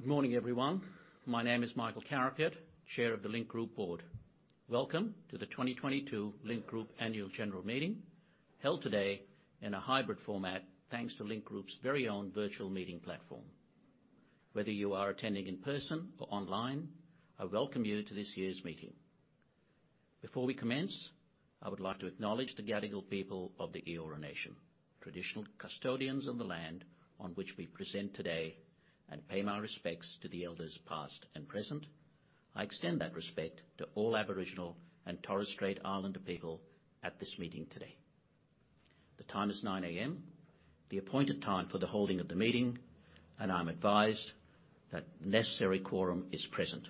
Good morning, everyone. My name is Michael Carapiet, Chair of the Link Group board. Welcome to the 2022 Link Group Annual General Meeting, held today in a hybrid format, thanks to Link Group's very own virtual meeting platform. Whether you are attending in person or online, I welcome you to this year's meeting. Before we commence, I would like to acknowledge the Gadigal people of the Eora Nation, Traditional Custodians of the land on which we present today, and pay my respects to the elders past and present. I extend that respect to all Aboriginal and Torres Strait Islander people at this meeting today. The time is 9:00 A.M., the appointed time for the holding of the Meeting, and I'm advised that necessary quorum is present.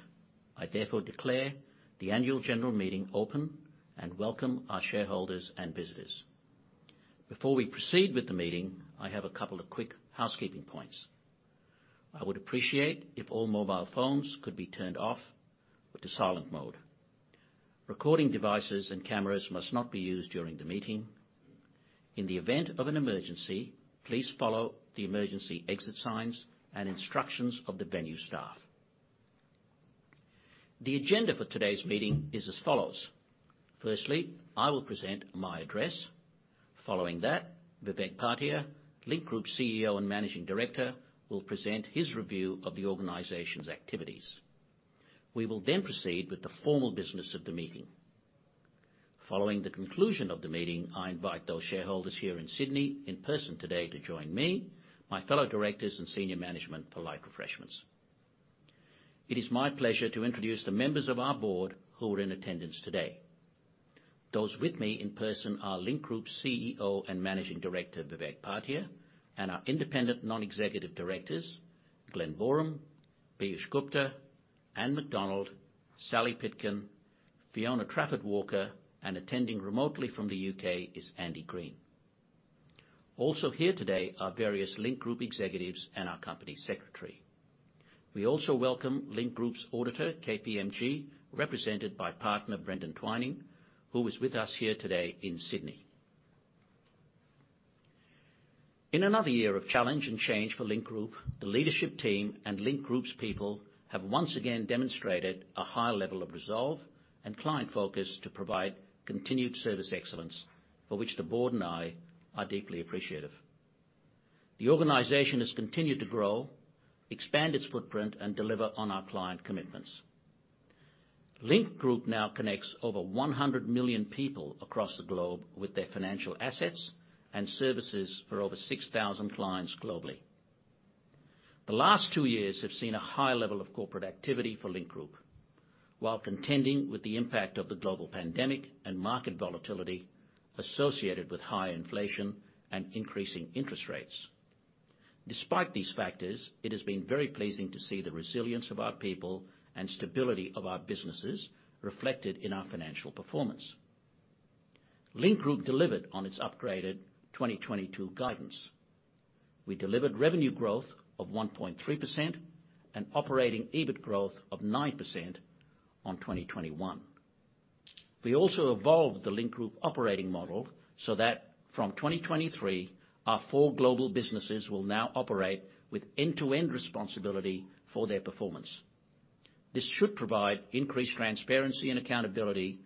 I therefore declare the Annual General Meeting open and welcome our shareholders and visitors. Before we proceed with the Meeting, I have a couple of quick housekeeping points. I would appreciate if all mobile phones could be turned off or to silent mode. Recording devices and cameras must not be used during the Meeting. In the event of an emergency, please follow the emergency exit signs and instructions of the venue staff. The agenda for today's Meeting is as follows. Firstly, I will present my address. Following that, Vivek Bhatia, Link Group CEO and Managing Director, will present his review of the organization's activities. We will then proceed with the formal business of the Meeting. Following the conclusion of the Meeting, I invite those shareholders here in Sydney in person today to join me, my fellow directors and senior management for light refreshments. It is my pleasure to introduce the members of our board who are in attendance today. Those with me in person are Link Group CEO and Managing Director, Vivek Bhatia, and our independent non-executive directors, Glen Boreham, Peeyush Gupta, Anne McDonald, Sally Pitkin, Fiona Trafford-Walker, and attending remotely from the U.K. is Andy Green. Also here today are various Link Group executives and our Company Secretary. We also welcome Link Group's auditor, KPMG, represented by Partner Brendan Twining, who is with us here today in Sydney. In another year of challenge and change for Link Group, the leadership team and Link Group's people have once again demonstrated a high level of resolve and client focus to provide continued service excellence, for which the board and I are deeply appreciative. The organization has continued to grow, expand its footprint, and deliver on our client commitments. Link Group now connects over 100 million people across the globe with their financial assets and services for over 6,000 clients globally. The last two years have seen a high level of corporate activity for Link Group while contending with the impact of the global pandemic and market volatility associated with high inflation and increasing interest rates. Despite these factors, it has been very pleasing to see the resilience of our people and stability of our businesses reflected in our financial performance. Link Group delivered on its upgraded 2022 guidance. We delivered revenue growth of 1.3% and operating EBIT growth of 9% on 2021. We also evolved the Link Group operating model so that from 2023, our four global businesses will now operate with end-to-end responsibility for their performance. This should provide increased transparency and accountability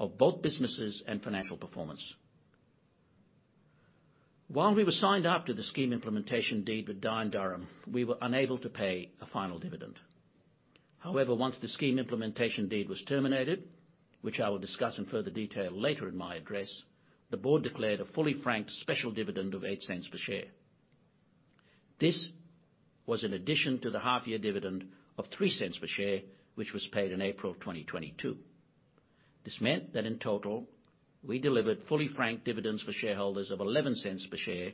of both businesses and financial performance. While we were signed up to the Scheme Implementation Deed with Dye & Durham, we were unable to pay a final dividend. Once the Scheme Implementation Deed was terminated, which I will discuss in further detail later in my address, the board declared a fully franked special dividend of 0.08 per share. This was in addition to the half year dividend of 0.03 per share, which was paid in April of 2022. This meant that in total, we delivered fully franked dividends for shareholders of 0.11 per share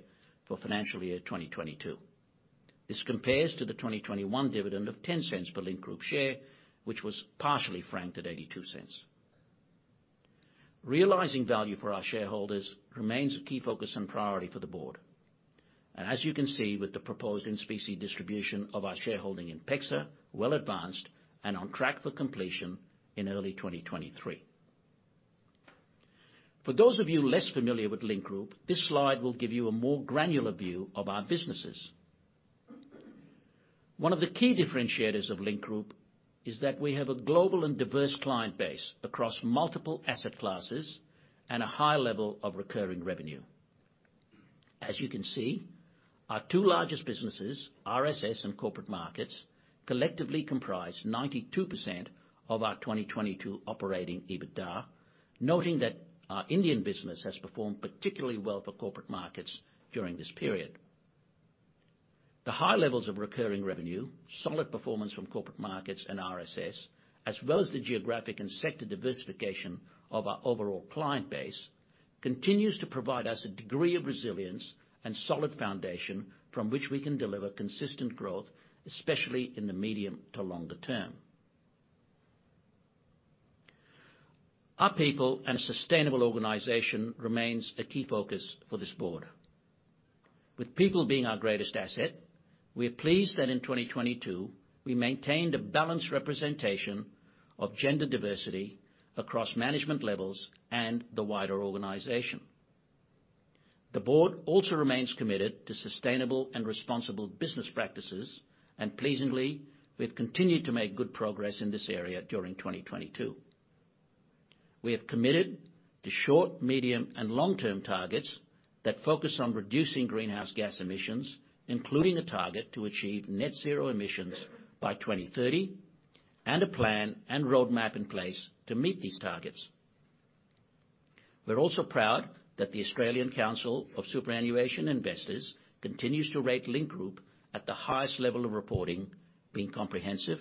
for financial year 2022. This compares to the 2021 dividend of 0.10 per Link Group share, which was partially franked at 0.82. Realizing value for our shareholders remains a key focus and priority for the Board. As you can see with the proposed in-specie distribution of our shareholding in PEXA, well advanced and on track for completion in early 2023. For those of you less familiar with Link Group, this slide will give you a more granular view of our businesses. One of the key differentiators of Link Group is that we have a global and diverse client base across multiple asset classes and a high level of recurring revenue. As you can see, our two largest businesses, RSS and Corporate Markets, collectively comprise 92% of our 2022 operating EBITDA, noting that our Indian business has performed particularly well for Corporate Markets during this period. The high levels of recurring revenue, solid performance from Corporate Markets and RSS, as well as the geographic and sector diversification of our overall client base, continues to provide us a degree of resilience and solid foundation from which we can deliver consistent growth, especially in the medium to longer term. Our people and a sustainable organization remains a key focus for this Board. With people being our greatest asset, we are pleased that in 2022, we maintained a balanced representation of gender diversity across management levels and the wider organization. The Board also remains committed to sustainable and responsible business practices, and pleasingly, we've continued to make good progress in this area during 2022. We have committed to short, medium, and long-term targets that focus on reducing greenhouse gas emissions, including a target to achieve net zero emissions by 2030 and a plan and roadmap in place to meet these targets. We're also proud that the Australian Council of Superannuation Investors continues to rate Link Group at the highest level of reporting, being comprehensive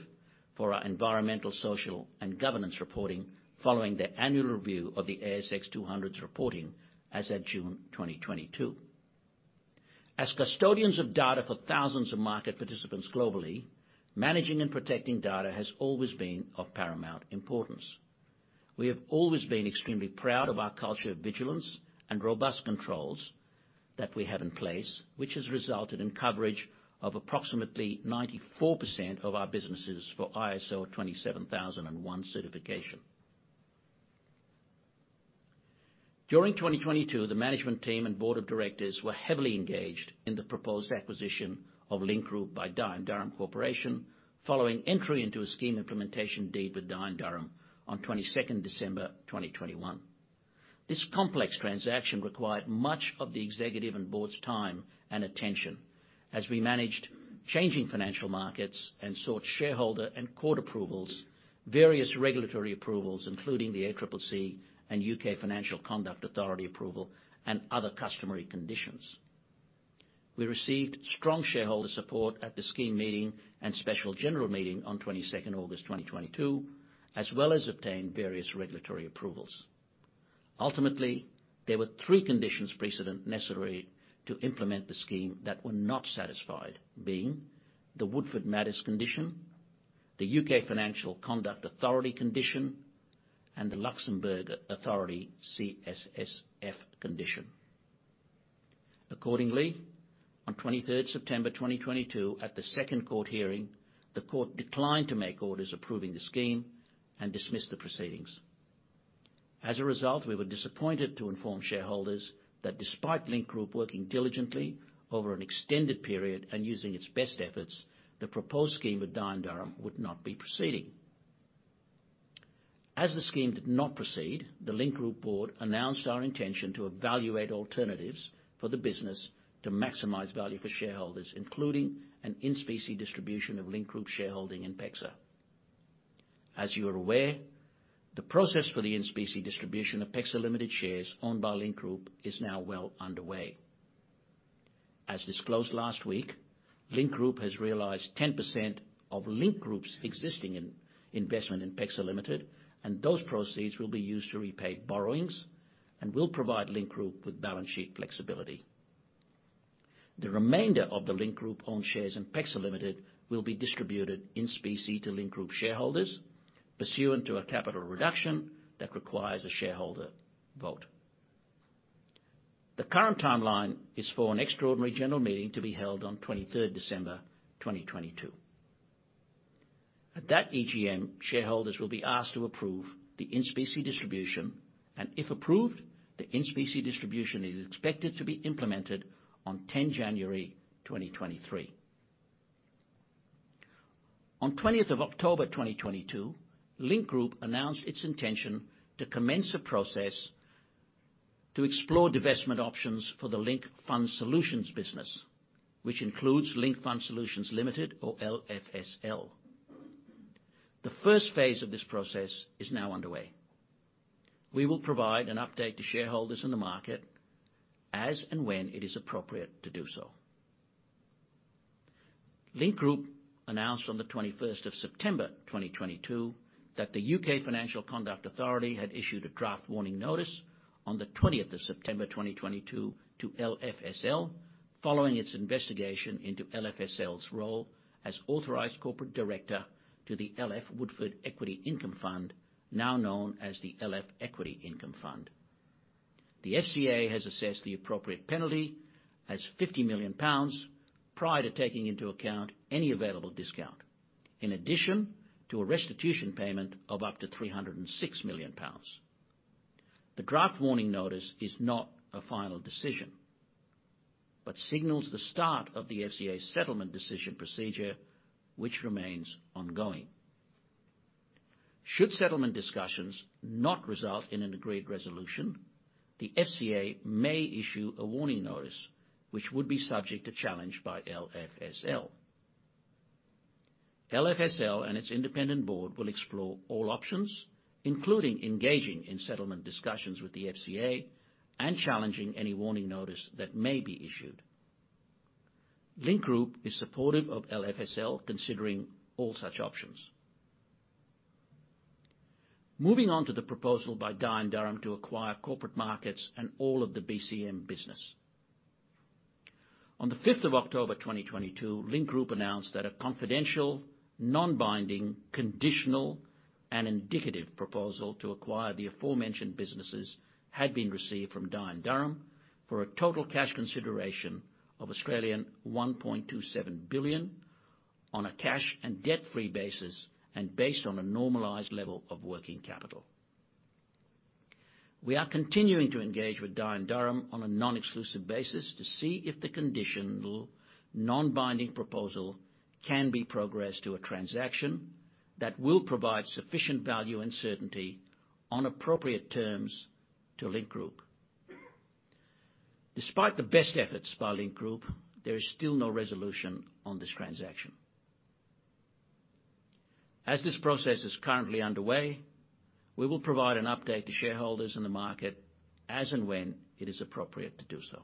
for our environmental, social, and governance reporting following their annual review of the ASX 200's reporting as at June 2022. As custodians of data for thousands of market participants globally, managing and protecting data has always been of paramount importance. We have always been extremely proud of our culture of vigilance and robust controls that we have in place, which has resulted in coverage of approximately 94% of our businesses for ISO 27001 certification. During 2022, the management team and board of directors were heavily engaged in the proposed acquisition of Link Group by Dye & Durham Corporation following entry into a Scheme Implementation Deed with Dye & Durham on 22nd December 2021. This complex transaction required much of the Executive and Board's time and attention as we managed changing financial markets and sought shareholder and Court approvals, various regulatory approvals, including the ACCC and U.K. Financial Conduct Authority approval, and other customary conditions. We received strong shareholder support at the Scheme Meeting and Special General Meeting on 22nd August 2022, as well as obtained various regulatory approvals. Ultimately, there were three conditions precedent necessary to implement the scheme that were not satisfied, being the Woodford Matters condition, the U.K. Financial Conduct Authority condition, and the Luxembourg Authority CSSF condition. Accordingly, on 23rd September 2022, at the Second Court Hearing, the Court declined to make orders approving the Scheme and dismissed the proceedings. As a result, we were disappointed to inform shareholders that despite Link Group working diligently over an extended period and using its best efforts, the proposed Scheme with Dye & Durham would not be proceeding. As the Scheme did not proceed, the Link Group board announced our intention to evaluate alternatives for the business to maximize value for shareholders, including an in-specie distribution of Link Group shareholding in PEXA. As you are aware, the process for the in-specie distribution of PEXA Limited shares owned by Link Group is now well underway. As disclosed last week, Link Group has realized 10% of Link Group's existing in-investment in PEXA Limited, and those proceeds will be used to repay borrowings and will provide Link Group with balance sheet flexibility. The remainder of the Link Group-owned shares in PEXA Limited will be distributed in-specie to Link Group shareholders pursuant to a capital reduction that requires a shareholder vote. The current timeline is for an Extraordinary General Meeting to be held on 23rd December 2022. At that EGM, shareholders will be asked to approve the in-specie distribution, and if approved, the in-specie distribution is expected to be implemented on 10th January 2023. On 20th October 2022, Link Group announced its intention to commence a process to explore divestment options for the Link Fund Solutions business, which includes Link Fund Solutions Limited or LFSL. The first phase of this process is now underway. We will provide an update to shareholders in the market as and when it is appropriate to do so. Link Group announced on the 21st of September 2022 that the U.K. Financial Conduct Authority had issued a draft Warning Notice on the 20th of September 2022 to LFSL following its investigation into LFSL's role as authorized corporate director to the LF Woodford Equity Income Fund, now known as the LF Equity Income Fund. The FCA has assessed the appropriate penalty as 50 million pounds prior to taking into account any available discount, in addition to a restitution payment of up to 306 million pounds. The draft Warning Notice is not a final decision, but signals the start of the FCA's settlement decision procedure, which remains ongoing. Should settlement discussions not result in an agreed resolution, the FCA may issue a warning notice, which would be subject to challenge by LFSL. LFSL and its Independent Board will explore all options, including engaging in settlement discussions with the FCA and challenging any Warning Notice that may be issued. Link Group is supportive of LFSL considering all such options. Moving on to the proposal by Dye & Durham to acquire Corporate Markets and all of the BCM business. On the 5th of October 2022, Link Group announced that a confidential, non-binding, conditional, and indicative proposal to acquire the aforementioned businesses had been received from Dye & Durham for a total cash consideration of 1.27 billion. On a cash and debt-free basis, and based on a normalized level of working capital. We are continuing to engage with Dye & Durham on a non-exclusive basis to see if the conditional non-binding proposal can be progressed to a transaction that will provide sufficient value and certainty on appropriate terms to Link Group. Despite the best efforts by Link Group, there is still no resolution on this transaction. This process is currently underway, we will provide an update to shareholders in the market as and when it is appropriate to do so.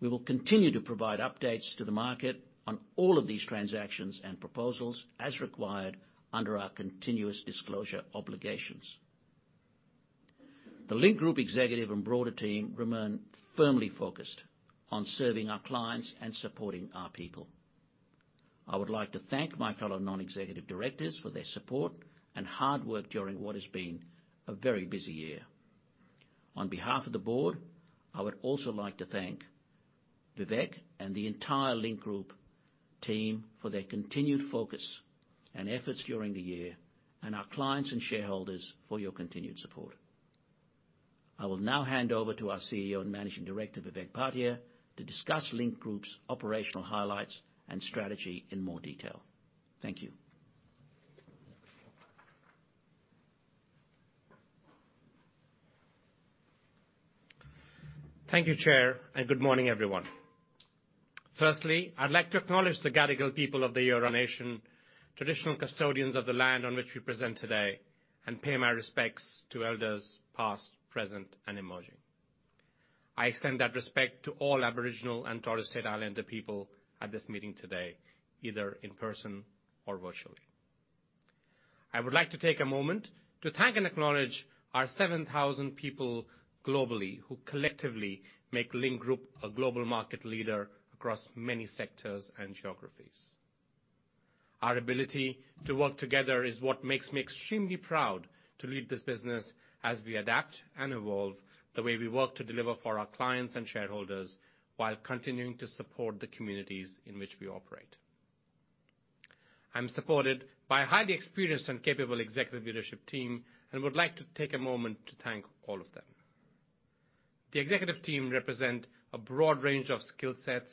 We will continue to provide updates to the market on all of these transactions and proposals as required under our continuous disclosure obligations. The Link Group executive and broader team remain firmly focused on serving our clients and supporting our people. I would like to thank my fellow non-executive directors for their support and hard work during what has been a very busy year. On behalf of the Board, I would also like to thank Vivek and the entire Link Group team for their continued focus and efforts during the year, and our clients and shareholders for your continued support. I will now hand over to our CEO and Managing Director, Vivek Bhatia, to discuss Link Group's operational highlights and strategy in more detail. Thank you. Thank you, Chair. Good morning, everyone. Firstly, I'd like to acknowledge the Gadigal people of the Eora Nation, Traditional Custodians of the land on which we present today, and pay my respects to Elders past, present, and emerging. I extend that respect to all Aboriginal and Torres Strait Islander people at this meeting today, either in person or virtually. I would like to take a moment to thank and acknowledge our 7,000 people globally who collectively make Link Group a global market leader across many sectors and geographies. Our ability to work together is what makes me extremely proud to lead this business as we adapt and evolve the way we work to deliver for our clients and shareholders while continuing to support the communities in which we operate. I'm supported by a highly experienced and capable Executive leadership team, and would like to take a moment to thank all of them. The Executive team represent a broad range of skill sets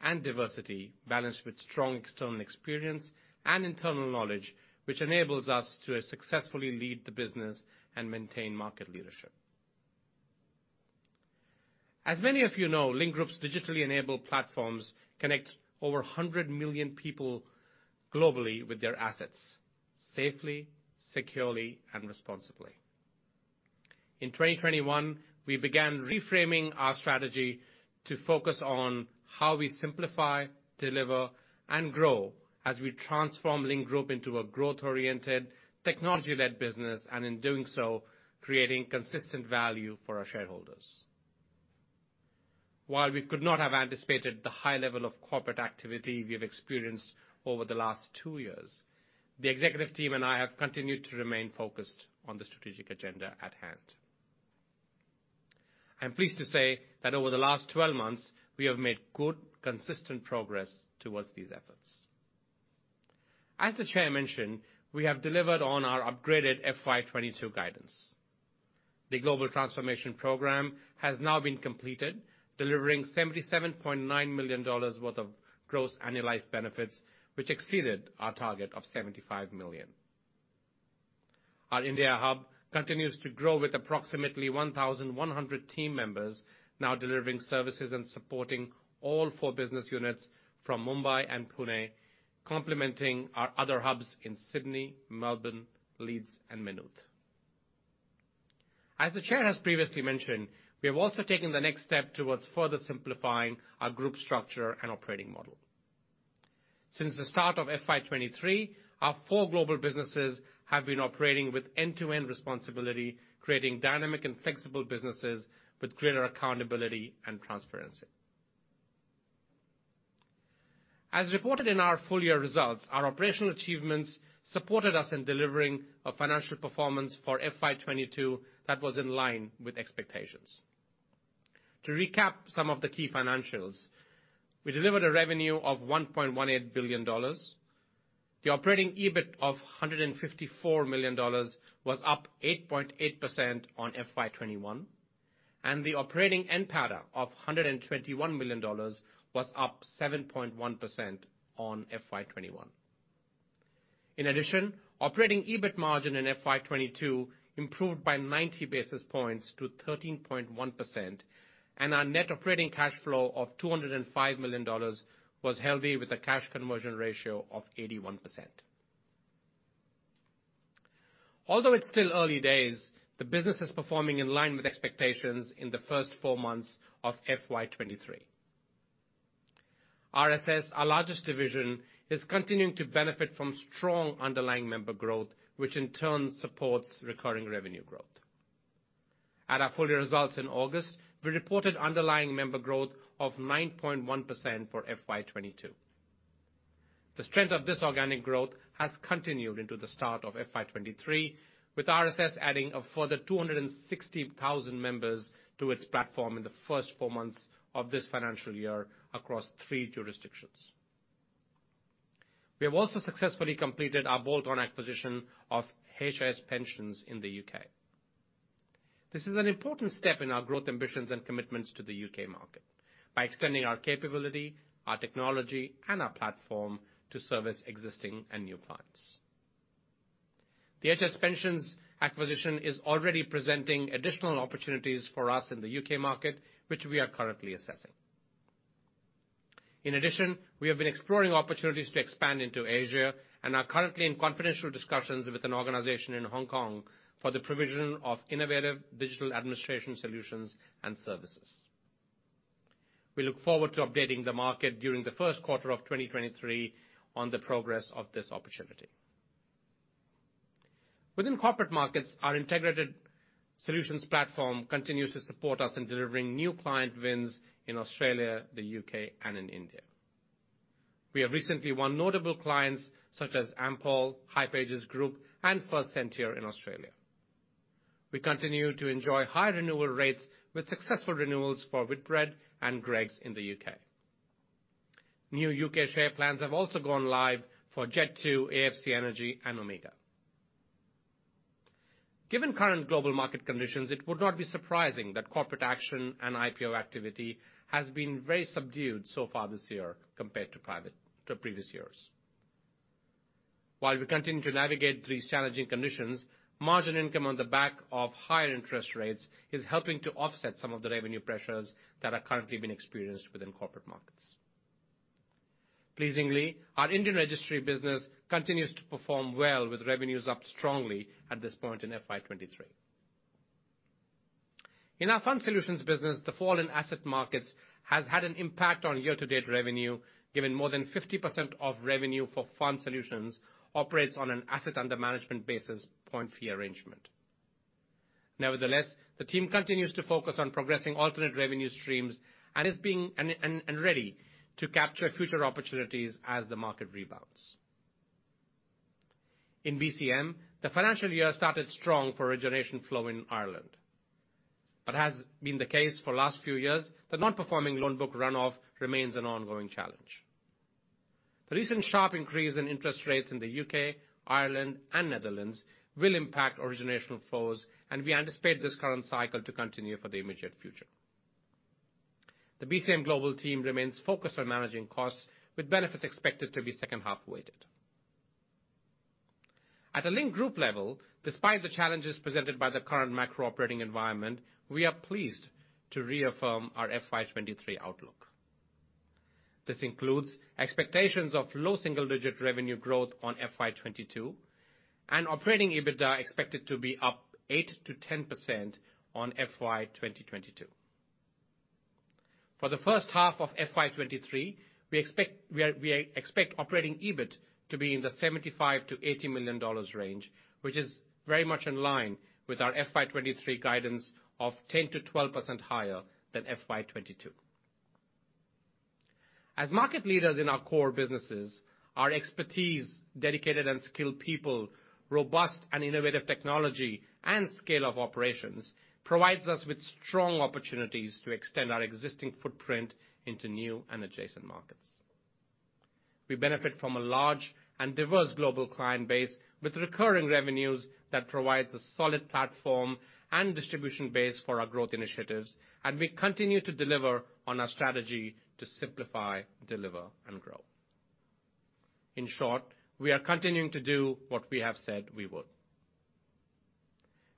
and diversity, balanced with strong external experience and internal knowledge, which enables us to successfully lead the business and maintain market leadership. As many of you know, Link Group's digitally enabled platforms connect over 100 million people globally with their assets safely, securely, and responsibly. In 2021, we began reframing our strategy to focus on how we simplify, deliver, and grow as we transform Link Group into a growth-oriented, technology-led business, and in doing so, creating consistent value for our shareholders. While we could not have anticipated the high level of corporate activity we have experienced over the last two years, the Executive team and I have continued to remain focused on the strategic agenda at hand. I'm pleased to say that over the last 12 months, we have made good, consistent progress towards these efforts. As the Chair mentioned, we have delivered on our upgraded FY 2022 guidance. The Global Transformation Program has now been completed, delivering $77.9 million worth of gross annualized benefits, which exceeded our target of $75 million. Our India Hub continues to grow with approximately 1,100 team members now delivering services and supporting all four business units from Mumbai and Pune, complementing our other hubs in Sydney, Melbourne, Leeds, and Maynooth. As the Chair has previously mentioned, we have also taken the next step towards further simplifying our Link Group structure and operating model. Since the start of FY 2023, our four global businesses have been operating with end-to-end responsibility, creating dynamic and flexible businesses with greater accountability and transparency. As reported in our full year results, our operational achievements supported us in delivering a financial performance for FY 2022 that was in line with expectations. To recap some of the key financials, we delivered a revenue of 1.18 billion dollars. The operating EBIT of 154 million dollars was up 8.8% on FY 2021, and the operating NPATA of 121 million dollars was up 7.1% on FY 2021. Operating EBIT margin in FY 2022 improved by 90 basis points to 13.1%. Our net operating cash flow of 205 million dollars was healthy, with a cash conversion ratio of 81%. Although it's still early days, the business is performing in line with expectations in the first four months of FY 2023. RSS, our largest division, is continuing to benefit from strong underlying member growth, which in turn supports recurring revenue growth. At our full year results in August, we reported underlying member growth of 9.1% for FY 2022. The strength of this organic growth has continued into the start of FY 2023, with RSS adding a further 260,000 members to its platform in the first four months of this financial year across three jurisdictions. We have also successfully completed our bolt-on acquisition of HS Pensions in the U.K. This is an important step in our growth ambitions and commitments to the U.K. market by extending our capability, our technology, and our platform to service existing and new clients. The HS Pensions acquisition is already presenting additional opportunities for us in the U.K. market, which we are currently assessing. In addition, we have been exploring opportunities to expand into Asia and are currently in confidential discussions with an organization in Hong Kong for the provision of innovative digital administration solutions and services. We look forward to updating the market during the first quarter of 2023 on the progress of this opportunity. Within Corporate Markets, our integrated solutions platform continues to support us in delivering new client wins in Australia, the U.K. and in India. We have recently won notable clients such as Ampol, hipages Group and First Sentier in Australia. We continue to enjoy high renewal rates with successful renewals for Whitbread and Greggs in the U.K. New U.K. share plans have also gone live for Jet2, AFC Energy and Omega. Given current global market conditions, it would not be surprising that corporate action and IPO activity has been very subdued so far this year compared to previous years. While we continue to navigate these challenging conditions, margin income on the back of higher interest rates is helping to offset some of the revenue pressures that are currently being experienced within Corporate Markets. Pleasingly, our Indian registry business continues to perform well, with revenues up strongly at this point in FY 2023. In our Fund Solutions business, the fall in assets markets has had an impact on year-to-date revenue, given more than 50% of revenue for Fund Solutions operates on an Asset under Management basis point fee arrangement. Nevertheless, the team continues to focus on progressing alternate revenue streams and is ready to capture future opportunities as the market rebounds. In BCM, the financial year started strong for origination flow in Ireland, but has been the case for last few years, the non-performing loan book run-off remains an ongoing challenge. The recent sharp increase in interest rates in the U.K., Ireland and Netherlands will impact origination flows, and we anticipate this current cycle to continue for the immediate future. The BCMGlobal team remains focused on managing costs, with benefits expected to be second-half weighted. At a Link Group level, despite the challenges presented by the current macro operating environment, we are pleased to reaffirm our FY 2023 outlook. This includes expectations of low single-digit revenue growth on FY 2022 and operating EBITDA expected to be up 8%-10% on FY 2022. For the first half of FY 2023, we expect operating EBIT to be in the 75 million-80 million dollars range, which is very much in line with our FY 2023 guidance of 10%-12% higher than FY 2022. As market leaders in our core businesses, our expertise, dedicated and skilled people, robust and innovative technology and scale of operations provides us with strong opportunities to extend our existing footprint into new and adjacent markets. We benefit from a large and diverse global client base with recurring revenues that provides a solid platform and distribution base for our growth initiatives. We continue to deliver on our strategy to simplify, deliver and grow. In short, we are continuing to do what we have said we would.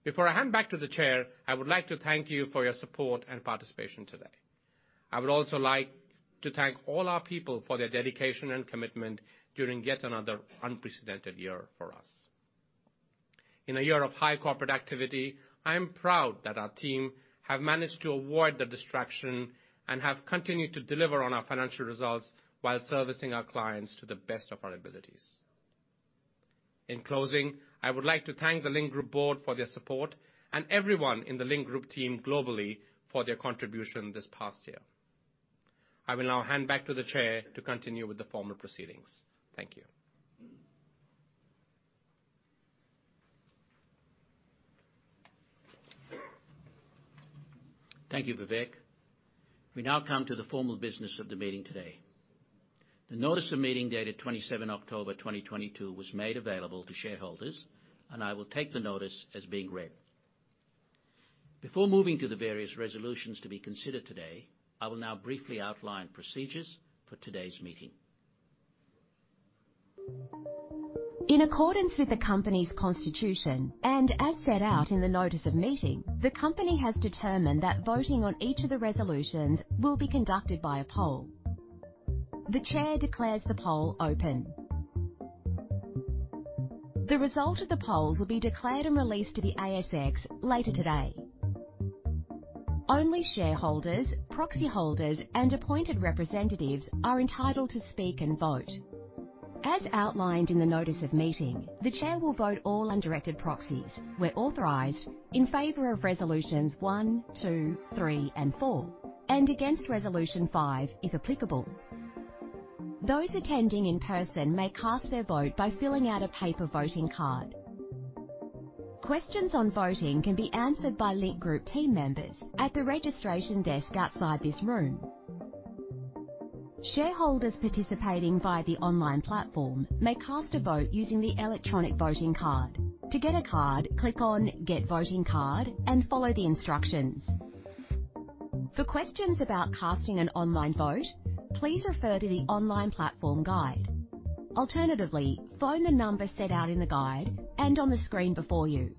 Before I hand back to the Chair, I would like to thank you for your support and participation today. I would also like to thank all our people for their dedication and commitment during yet another unprecedented year for us. In a year of high corporate activity, I am proud that our team have managed to avoid the distraction and have continued to deliver on our financial results while servicing our clients to the best of our abilities. In closing, I would like to thank the Link Group Board for their support and everyone in the Link Group team globally for their contribution this past year. I will now hand back to the Chair to continue with the formal proceedings. Thank you. Thank you, Vivek. We now come to the formal business of the Meeting today. The Notice of Meeting dated 27 October 2022 was made available to shareholders, and I will take the notice as being read. Before moving to the various resolutions to be considered today, I will now briefly outline procedures for today's meeting. In accordance with the Company's constitution and as set out in the Notice of Meeting, the Company has determined that voting on each of the resolutions will be conducted by a poll. The Chair declares the poll open. The result of the polls will be declared and released to the ASX later today. Only shareholders, proxy holders and appointed representatives are entitled to speak and vote. As outlined in the Notice of Meeting, the Chair will vote all undirected proxies where authorized in favor of resolutions one, two, three and four, and against resolution five, if applicable. Those attending in person may cast their vote by filling out a paper voting card. Questions on voting can be answered by Link Group team members at the registration desk outside this room. Shareholders participating via the online platform may cast a vote using the electronic voting card. To get a card, click on Get Voting Card and follow the instructions. For questions about casting an online vote, please refer to the online platform guide. Alternatively, phone the number set out in the guide and on the screen before you.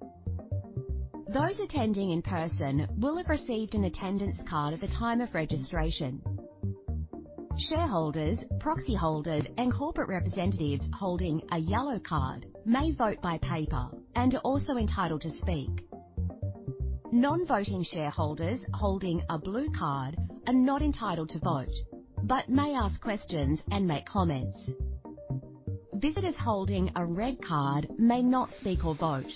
Those attending in person will have received an attendance card at the time of registration. Shareholders, proxyholders, and corporate representatives holding a yellow card may vote by paper and are also entitled to speak. Non-voting shareholders holding a blue card are not entitled to vote, but may ask questions and make comments. Visitors holding a red card may not speak or vote.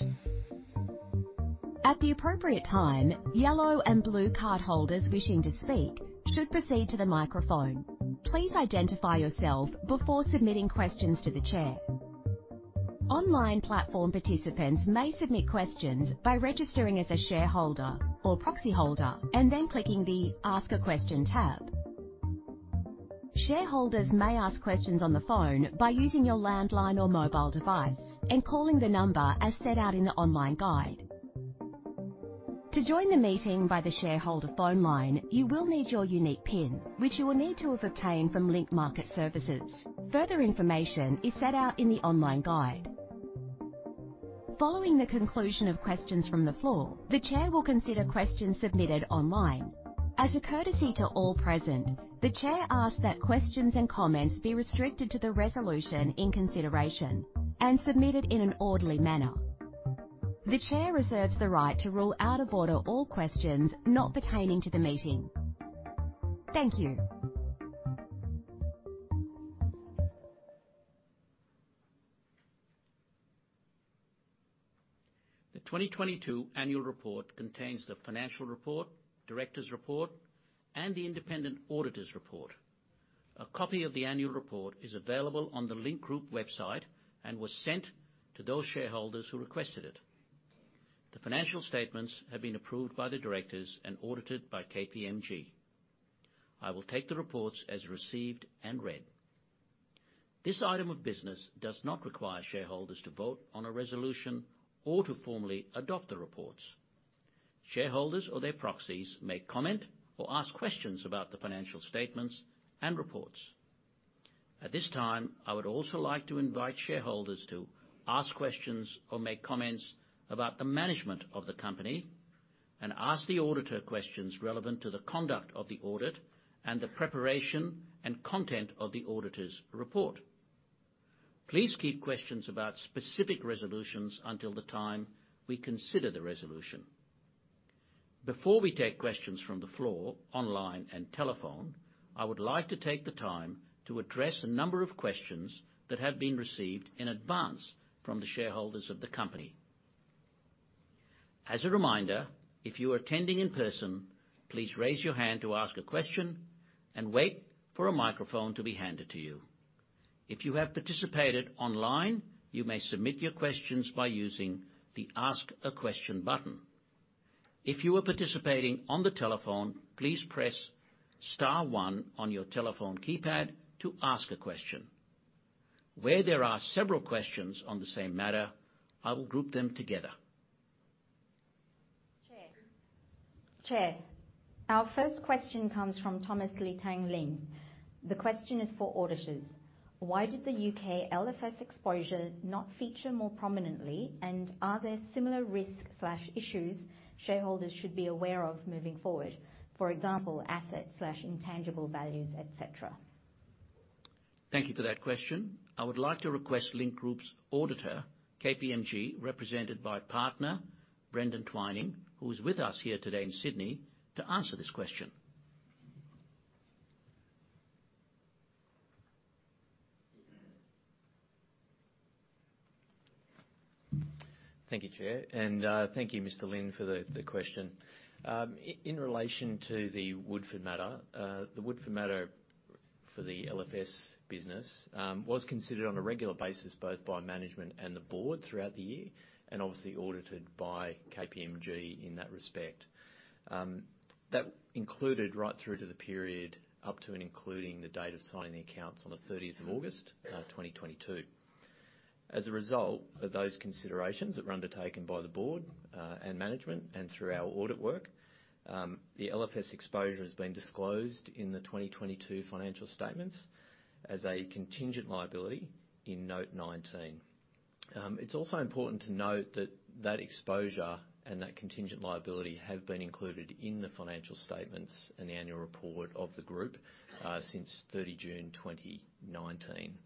At the appropriate time, yellow and blue cardholders wishing to speak should proceed to the microphone. Please identify yourself before submitting questions to the Chair. Online platform participants may submit questions by registering as a shareholder or proxyholder and then clicking the Ask a Question tab. Shareholders may ask questions on the phone by using your landline or mobile device and calling the number as set out in the online guide. To join the meeting by the shareholder phone line, you will need your unique PIN, which you will need to have obtained from Link Market Services. Further information is set out in the online guide. Following the conclusion of questions from the floor, the Chair will consider questions submitted online. As a courtesy to all present, the Chair asks that questions and comments be restricted to the resolution in consideration and submitted in an orderly manner. The Chair reserves the right to rule out of order all questions not pertaining to the Meeting. Thank you. The 2022 Annual Report contains the financial report, directors report, and the independent auditors report. A copy of the Annual Report is available on the Link Group website and was sent to those shareholders who requested it. The financial statements have been approved by the directors and audited by KPMG. I will take the reports as received and read. This item of business does not require shareholders to vote on a resolution or to formally adopt the reports. Shareholders or their proxies may comment or ask questions about the financial statements and reports. At this time, I would also like to invite shareholders to ask questions or make comments about the management of the company and ask the auditor questions relevant to the conduct of the audit and the preparation and content of the auditors report. Please keep questions about specific resolutions until the time we consider the resolution. Before we take questions from the floor, online and telephone, I would like to take the time to address a number of questions that have been received in advance from the shareholders of the company. As a reminder, if you are attending in person, please raise your hand to ask a question and wait for a microphone to be handed to you. If you have participated online, you may submit your questions by using the Ask a Question button. If you are participating on the telephone, please press star one on your telephone keypad to ask a question. Where there are several questions on the same matter, I will group them together. Chair. Chair, our first question comes from Thomas Lee Tang Lin. The question is for auditors. Why did the U.K. LFS exposure not feature more prominently, and are there similar risks/issues shareholders should be aware of moving forward? For example, asset/intangible values, et cetera. Thank you for that question. I would like to request Link Group's auditor, KPMG, represented by Partner Brendan Twining, who is with us here today in Sydney, to answer this question. Thank you, Chair, and thank you, Mr. Ling, for the question. In relation to the Woodford matter, the Woodford matter for the LFS business was considered on a regular basis, both by management and the Board throughout the year, and obviously audited by KPMG in that respect. That included right through to the period up to and including the date of signing the accounts on the 30th of August 2022. As a result of those considerations that were undertaken by the Board and management and through our audit work, the LFS exposure has been disclosed in the 2022 financial statements as a contingent liability in note 19. It's also important to note that that exposure and that contingent liability have been included in the financial statements and the Annual Report of the group, since 30 June 2019.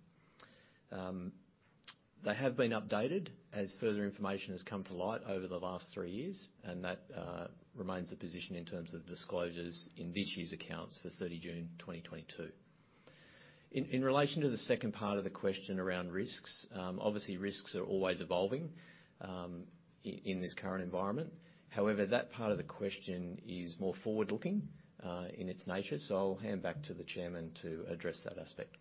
They have been updated as further information has come to light over the last three years, and that remains the position in terms of disclosures in this year's accounts for 30 June 2022. In relation to the second part of the question around risks, obviously risks are always evolving in this current environment. However, that part of the question is more forward-looking in its nature, so I'll hand back to the Chairman to address that aspect.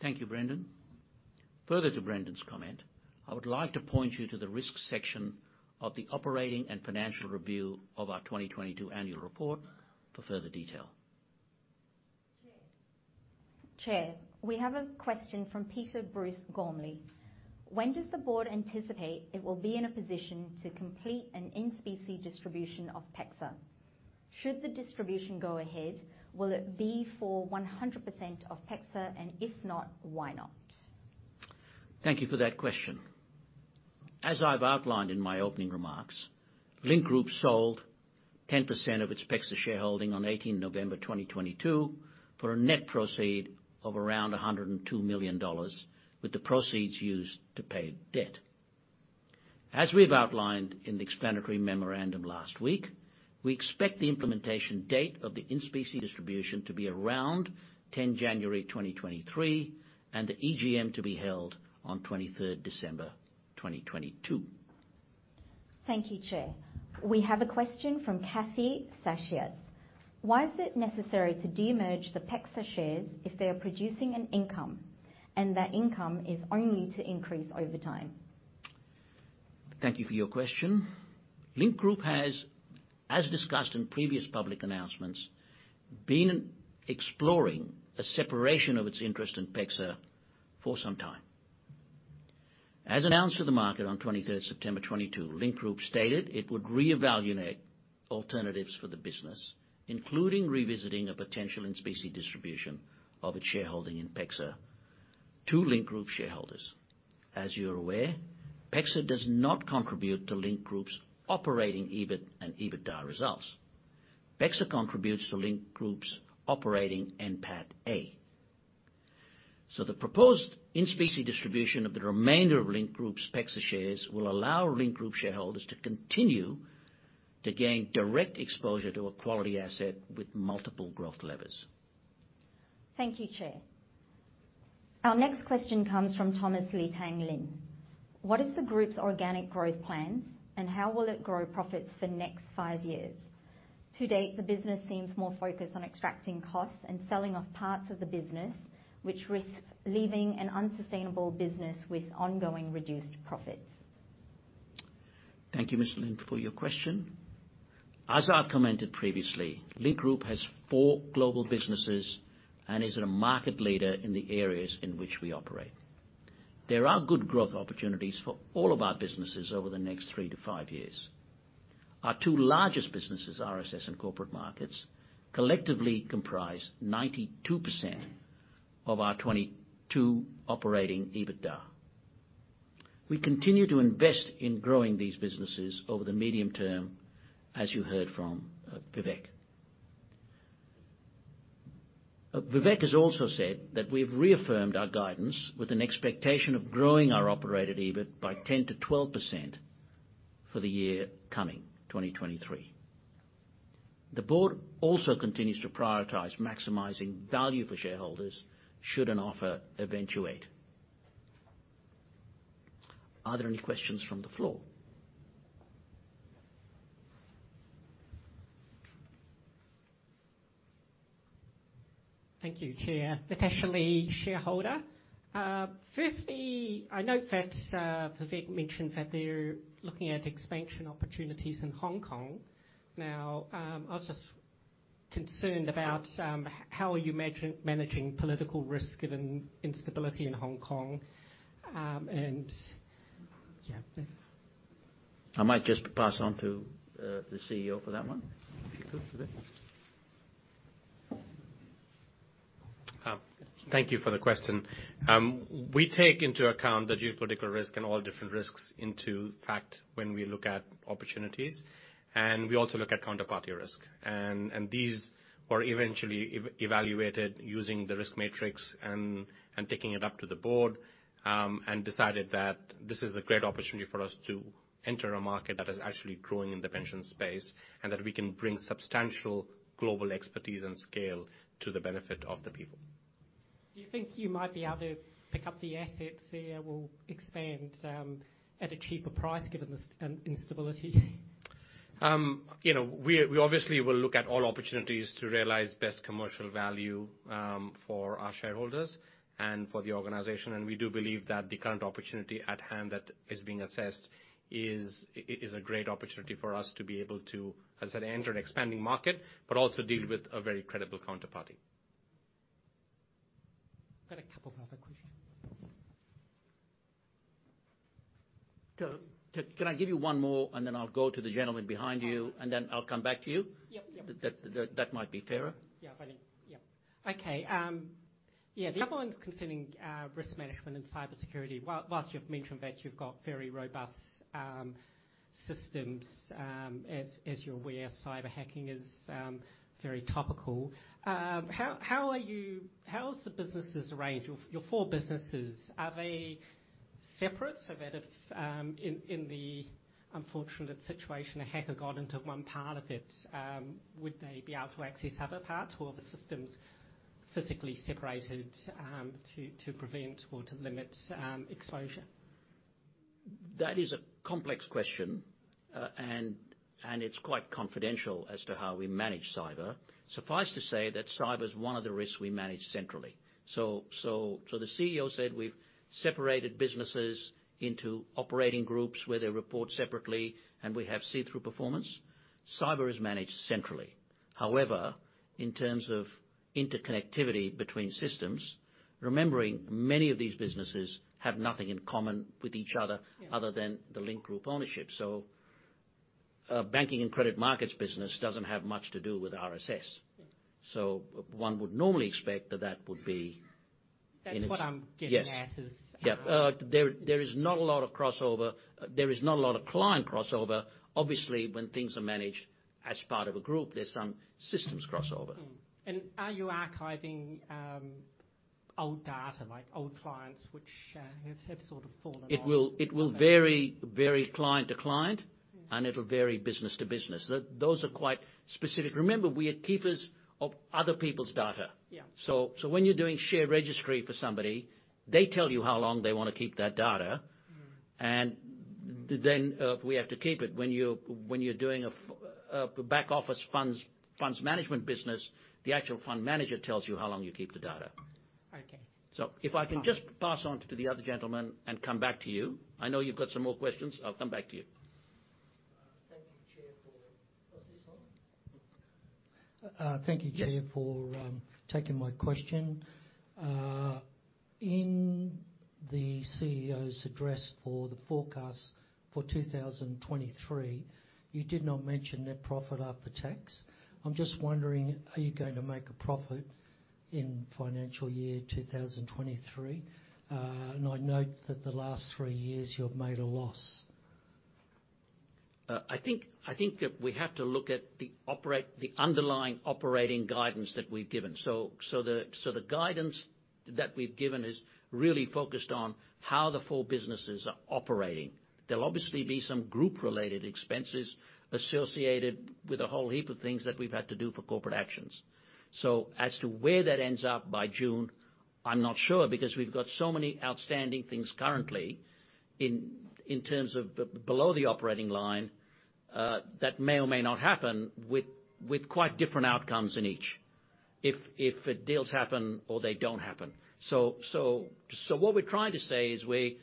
Thank you, Brendan. Further to Brendan's comment, I would like to point you to the risks section of the operating and financial review of our 2022 Annual Report for further detail. Chair, we have a question from Peter Bruce Gormley: When does the board anticipate it will be in a position to complete an in-specie distribution of PEXA? Should the distribution go ahead, will it be for 100% of PEXA? If not, why not? Thank you for that question. As I've outlined in my opening remarks, Link Group sold 10% of its PEXA shareholding on 18 November 2022 for a net proceed of around 102 million dollars, with the proceeds used to pay debt. As we've outlined in the explanatory memorandum last week, we expect the implementation date of the in-specie distribution to be around 10 January 2023, and the EGM to be held on 23rd December 2022. Thank you, Chair. We have a question from Cathy Sachias: Why is it necessary to de-merge the PEXA shares if they are producing an income, and that income is only to increase over time? Thank you for your question. Link Group has, as discussed in previous public announcements, been exploring a separation of its interest in PEXA for some time. As announced to the market on 23rd September 2022, Link Group stated it would reevaluate alternatives for the business, including revisiting a potential in-specie distribution of its shareholding in PEXA to Link Group shareholders. As you're aware, PEXA does not contribute to Link Group's operating EBIT and EBITDA results. PEXA contributes to Link Group's operating NPATA. The proposed in-specie distribution of the remainder of Link Group's PEXA shares will allow Link Group shareholders to continue to gain direct exposure to a quality asset with multiple growth levers. Thank you, Chair. Our next question comes from Thomas Lee Tang Lin: What is the group's organic growth plans, and how will it grow profits for next five years? To date, the business seems more focused on extracting costs and selling off parts of the business, which risks leaving an unsustainable business with ongoing reduced profits. Thank you, Mr. Lin, for your question. As I've commented previously, Link Group has four global businesses and is a market leader in the areas in which we operate. There are good growth opportunities for all of our businesses over the next three to five years. Our two largest businesses, RSS and Corporate Markets, collectively comprise 92% of our 2022 operating EBITDA. We continue to invest in growing these businesses over the medium term, as you heard from Vivek. Vivek has also said that we've reaffirmed our guidance with an expectation of growing our operated EBIT by 10%-12% for the year coming, 2023. The board also continues to prioritize maximizing value for shareholders should an offer eventuate. Are there any questions from the floor? Thank you, Chair. Natasha Lee, shareholder. Firstly, I note that Vivek mentioned that they're looking at expansion opportunities in Hong Kong. I was just concerned about how are you managing political risk given instability in Hong Kong? I might just pass on to the CEO for that one. If you could, Vivek. Thank you for the question. We take into account the geopolitical risk and all different risks into fact when we look at opportunities, and we also look at counterparty risk. These are eventually evaluated using the risk matrix and taking it up to the Board, and decided that this is a great opportunity for us to enter a market that is actually growing in the pension space, and that we can bring substantial global expertise and scale to the benefit of the people. Do you think you might be able to pick up the assets there or expand at a cheaper price given this instability? You know, we obviously will look at all opportunities to realize best commercial value for our shareholders and for the organization. We do believe that the current opportunity at hand that is being assessed is a great opportunity for us to be able to, as I said, enter an expanding market, but also deal with a very credible counterparty. Got a couple of other questions. Can I give you one more, then I'll go to the gentleman behind you? All right. I'll come back to you? Yep. Yep. That might be fairer. Yeah. Fine. Yep. Okay. Yeah, the other one's concerning risk management and cybersecurity. Whilst you've mentioned that you've got very robust systems, as you're aware, cyber hacking is very topical. How is the businesses arranged, your four businesses? Are they separate, so that if in the unfortunate situation, a hacker got into one part of it, would they be able to access other parts or are the systems physically separated to prevent or to limit exposure? That is a complex question. It's quite confidential as to how we manage cyber. Suffice to say that cyber is one of the risks we manage centrally. The CEO said we've separated businesses into operating groups where they report separately, and we have see-through performance. Cyber is managed centrally. In terms of interconnectivity between systems, remembering many of these businesses have nothing in common with each other. Yeah. Other than the Link Group ownership. Banking and credit markets business doesn't have much to do with RSS. Yeah. One would normally expect that that would be. That's what I'm getting at. Yes. Is how- There is not a lot of crossover. There is not a lot of client crossover. Obviously, when things are managed as part of a group, there's some systems crossover. Are you archiving, old data? Like old clients which have sort of fallen off? It will vary client to client. Mm-hmm. It'll vary business to business. Those are quite specific. Remember, we are keepers of other people's data. Yeah. When you're doing shared registry for somebody, they tell you how long they wanna keep that data. Mm-hmm. We have to keep it. When you're doing a back office funds management business, the actual fund manager tells you how long you keep the data. Okay. If I can just pass on to the other gentleman and come back to you. I know you've got some more questions. I'll come back to you. Thank you, Chair, for... Was this on? Yes. Taking my question. In the CEO's address for the forecast for 2023, you did not mention net profit after tax. I'm just wondering, are you going to make a profit in financial year 2023? I note that the last three years, you've made a loss. I think that we have to look at the underlying operating guidance that we've given. The guidance that we've given is really focused on how the four businesses are operating. There'll obviously be some group-related expenses associated with a whole heap of things that we've had to do for corporate actions. As to where that ends up by June, I'm not sure, because we've got so many outstanding things currently in terms of below the operating line that may or may not happen with quite different outcomes in each. If deals happen or they don't happen. What we're trying to say is we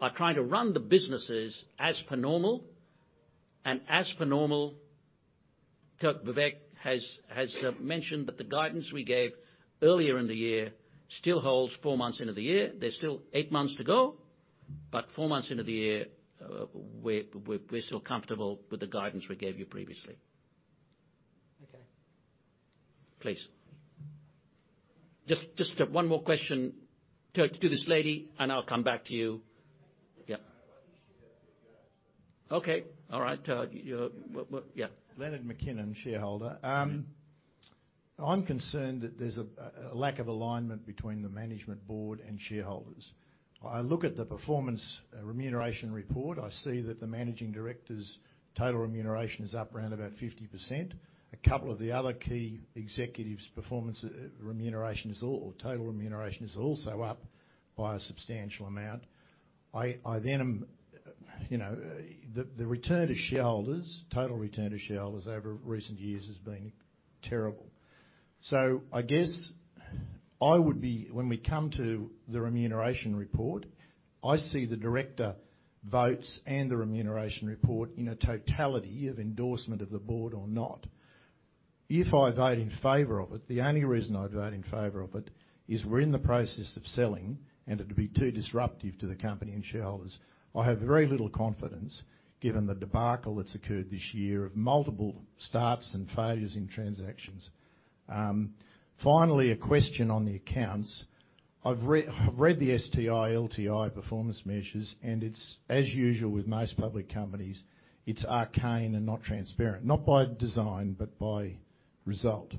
are trying to run the businesses as per normal. As per normal, Vivek Bhatia has mentioned that the guidance we gave earlier in the year still holds four months into the year. There's still eight months to go, but four months into the year, we're still comfortable with the guidance we gave you previously. Okay. Please. Just one more question to this lady, and I'll come back to you. Yeah. Okay. All right. Yeah. Leonard McKinnon, shareholder. I'm concerned that there's a lack of alignment between the management board and shareholders. I look at the performance Remuneration Report. I see that the managing director's total remuneration is up around about 50%. A couple of the other key executives' performance remuneration or total remuneration is also up by a substantial amount. I then am, you know, the return to shareholders, total return to shareholders over recent years has been terrible. I guess I would be, when we come to the Remuneration Report, I see the director votes and the Remuneration Report in a totality of endorsement of the Board or not. If I vote in favor of it, the only reason I'd vote in favor of it is we're in the process of selling and it'd be too disruptive to the company and shareholders. I have very little confidence, given the debacle that's occurred this year of multiple starts and failures in transactions. Finally, a question on the accounts. I've read the STI, LTI performance measures, and it's, as usual with most public companies, it's arcane and not transparent, not by design, but by result.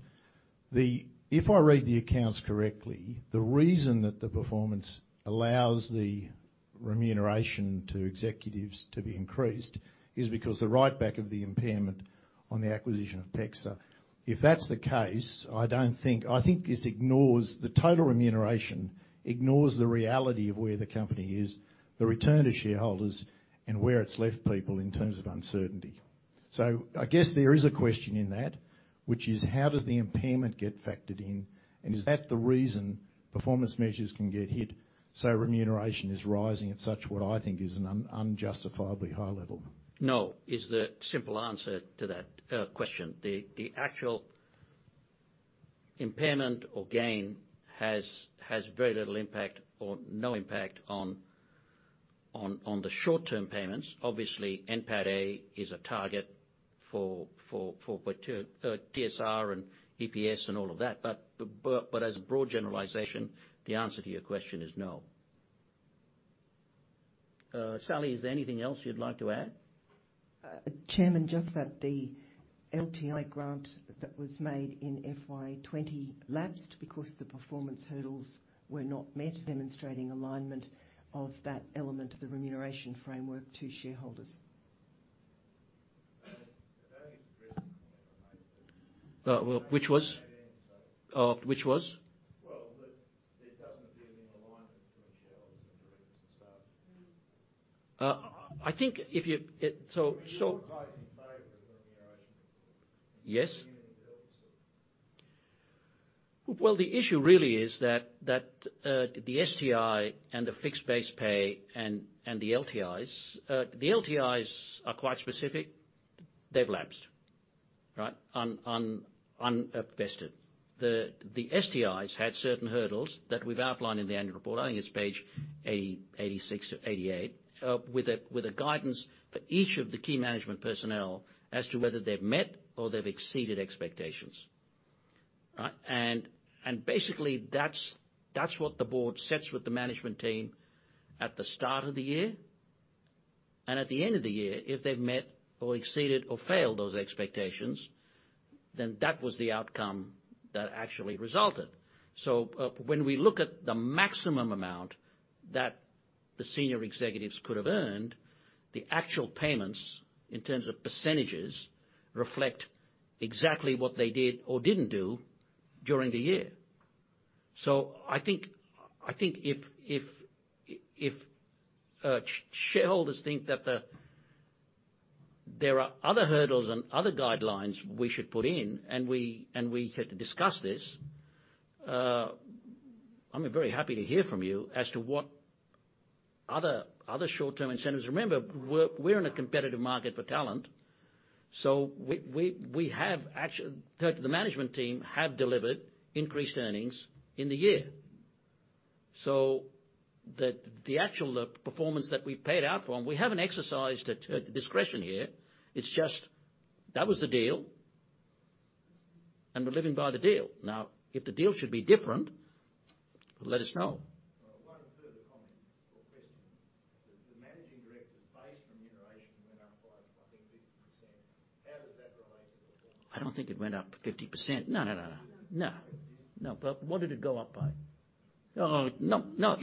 If I read the accounts correctly, the reason that the performance allows the remuneration to executives to be increased is because the write back of the impairment on the acquisition of PEXA. If that's the case, I think this ignores, the total remuneration ignores the reality of where the company is, the return to shareholders, and where it's left people in terms of uncertainty. I guess there is a question in that, which is: How does the impairment get factored in? Is that the reason performance measures can get hit so remuneration is rising at such what I think is an unjustifiably high level? No, is the simple answer to that question. The actual impairment or gain has very little impact or no impact on the short-term payments. Obviously, NPATA is a target for TSR and EPS and all of that. As a broad generalization, the answer to your question is no. Sally, is there anything else you'd like to add? Chairman, just that the LTI grant that was made in FY 2020 lapsed because the performance hurdles were not met, demonstrating alignment of that element of the remuneration framework to shareholders. Well, which was? Well, it doesn't give any alignment to shareholders and directors and staff. I think if you. It. So. You weren't voting in favor of remuneration. Yes. Well, the issue really is that, the STI and the fixed base pay and the LTIs. The LTIs are quite specific. They've lapsed, right? vested. The STIs had certain hurdles that we've outlined in the Annual Report, I think it's page 80, 86-88, with a guidance for each of the key management personnel as to whether they've met or they've exceeded expectations, right? Basically that's what the Board sets with the management team at the start of the year. At the end of the year, if they've met or exceeded or failed those expectations, then that was the outcome that actually resulted. When we look at the maximum amount that the senior executives could have earned, the actual payments in terms of percentages reflect exactly what they did or didn't do during the year. I think if shareholders think that the... There are other hurdles and other guidelines we should put in and we, and we had discussed this, I'm very happy to hear from you as to what other short-term incentives. Remember, we're in a competitive market for talent, so we have actual the management team have delivered increased earnings in the year. The actual performance that we've paid out from, we haven't exercised at discretion here. It's just that was the deal, and we're living by the deal. If the deal should be different, let us know. One further comment or question. The managing director's base remuneration went up by, I think, 50%. How does that relate to performance? I don't think it went up 50%. No, no, no. No. No. No. What did it go up by? Oh, no,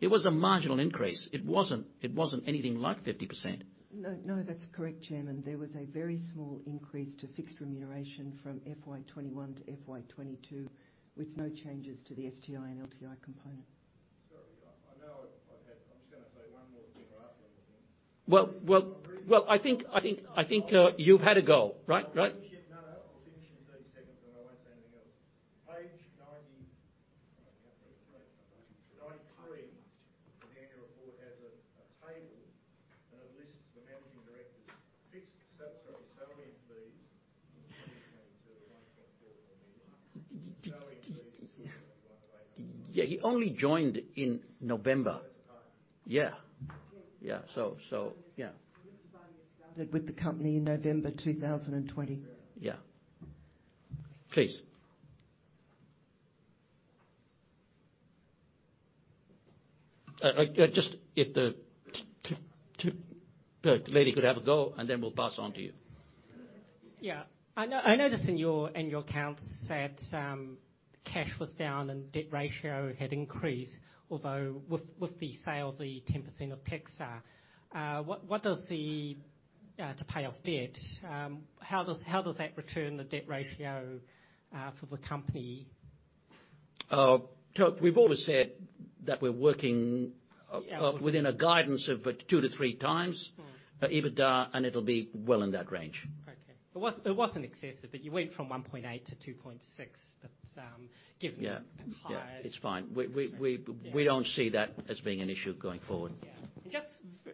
it was a marginal increase. It wasn't anything like 50%. No, no, that's correct, Chairman. There was a very small increase to fixed remuneration from FY 2021 to FY 2022, with no changes to the STI and LTI component. Sorry. I know I'm just gonna say one more thing or ask one more thing. Well, I think you've had a go, right? No, no. I'll finish in 30 seconds, and I won't say anything else. I can't read his writing. 93 of the Annual Report has a table, and it lists the managing director's fixed salary and fees. 2022 to AUD 1.4 million. Salary and fees of AUD 2.19 million. Yeah, he only joined in November. That's the point. Yeah. Yes. Yeah. yeah. Mr. Buddy started with the company in November 2020. Yeah. Please. Could the lady have a go, and then we'll pass on to you. I noticed in your annual accounts said, cash was down and debt ratio had increased, although with the sale of the 10% of PEXA. What does the to pay off debt, how does that return the debt ratio for the company? Look, we've always said that we're working within a guidance of, two to 3x. Mm. EBITDA, it'll be well in that range. Okay. It wasn't excessive. You went from 1.8 to 2.6. That's. Yeah. A bit higher. Yeah. It's fine. We. Yeah. We don't see that as being an issue going forward. Yeah. just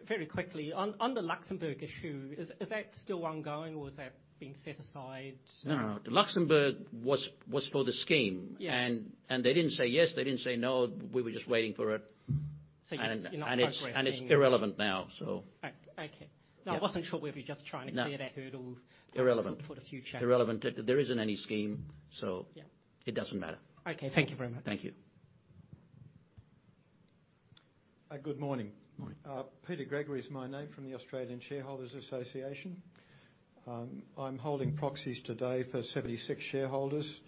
very quickly, on the Luxembourg issue, is that still ongoing or has that been set aside? No, no. The Luxembourg was for the Scheme. Yeah. They didn't say yes, they didn't say no. We were just waiting for it. You're not progressing it. It's irrelevant now, so. Okay. Okay. Yeah. No, I wasn't sure if you were just trying to clear that hurdle. Irrelevant. For the future. Irrelevant. There isn't any scheme, so- Yeah. It doesn't matter. Okay. Thank you very much. Thank you. Good morning. Morning. Peter Gregory is my name from the Australian Shareholders' Association. I'm holding proxies today for 76 shareholders,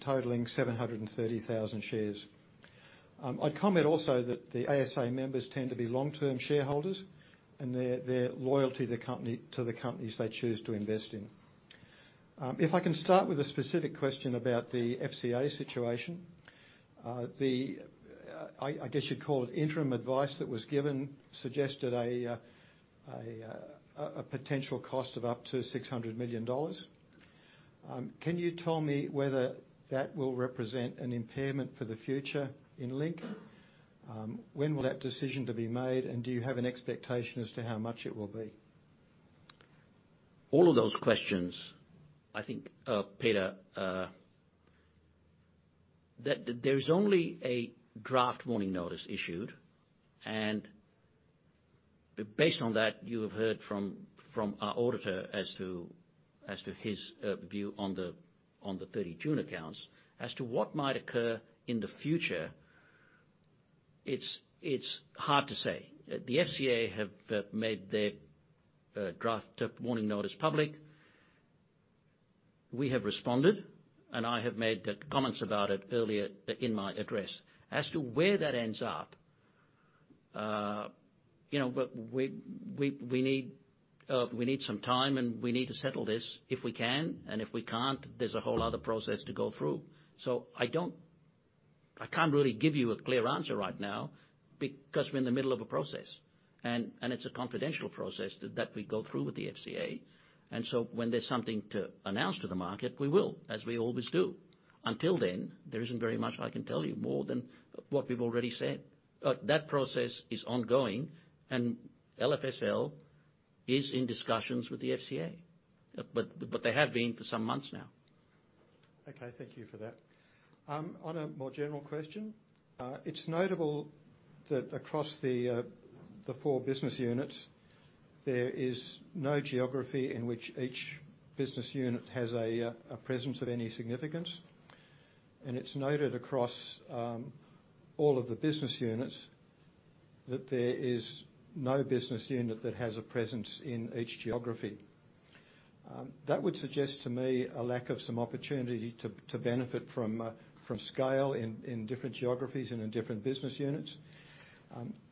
totaling 730,000 shares. I'd comment also that the ASA members tend to be long-term shareholders, and they're loyal to the companies they choose to invest in. If I can start with a specific question about the FCA situation. I guess you'd call it interim advice that was given suggested a potential cost of up to $600 million. Can you tell me whether that will represent an impairment for the future in Link? When will that decision to be made, and do you have an expectation as to how much it will be? All of those questions, I think, Peter, that there is only a draft Warning Notice issued. Based on that, you have heard from our auditor as to his view on the 30 June accounts. As to what might occur in the future, it's hard to say. The FCA have made their draft Warning Notice public. We have responded, I have made the comments about it earlier in my address. As to where that ends up, you know, we need some time, we need to settle this if we can. If we can't, there's a whole other process to go through. I don't... I can't really give you a clear answer right now because we're in the middle of a process, and it's a confidential process that we go through with the FCA. When there's something to announce to the market, we will, as we always do. Until then, there isn't very much I can tell you more than what we've already said. That process is ongoing, and LFSL is in discussions with the FCA, but they have been for some months now. Okay, thank you for that. On a more general question, it's notable that across the four business units, there is no geography in which each business unit has a presence of any significance. It's noted across all of the business units that there is no business unit that has a presence in each geography. That would suggest to me a lack of some opportunity to benefit from scale in different geographies and in different business units.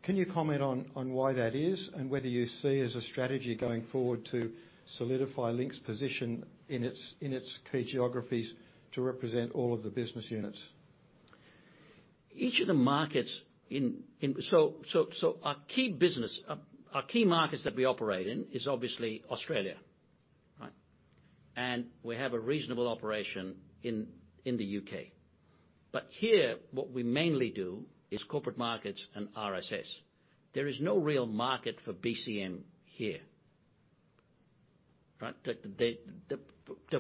Can you comment on why that is and whether you see as a strategy going forward to solidify Link's position in its key geographies to represent all of the business units? Each of the markets in our key business, our key markets that we operate in is obviously Australia, right? We have a reasonable operation in the U.K. Here, what we mainly do is Corporate Markets and RSS. There is no real market for BCM here, right? The,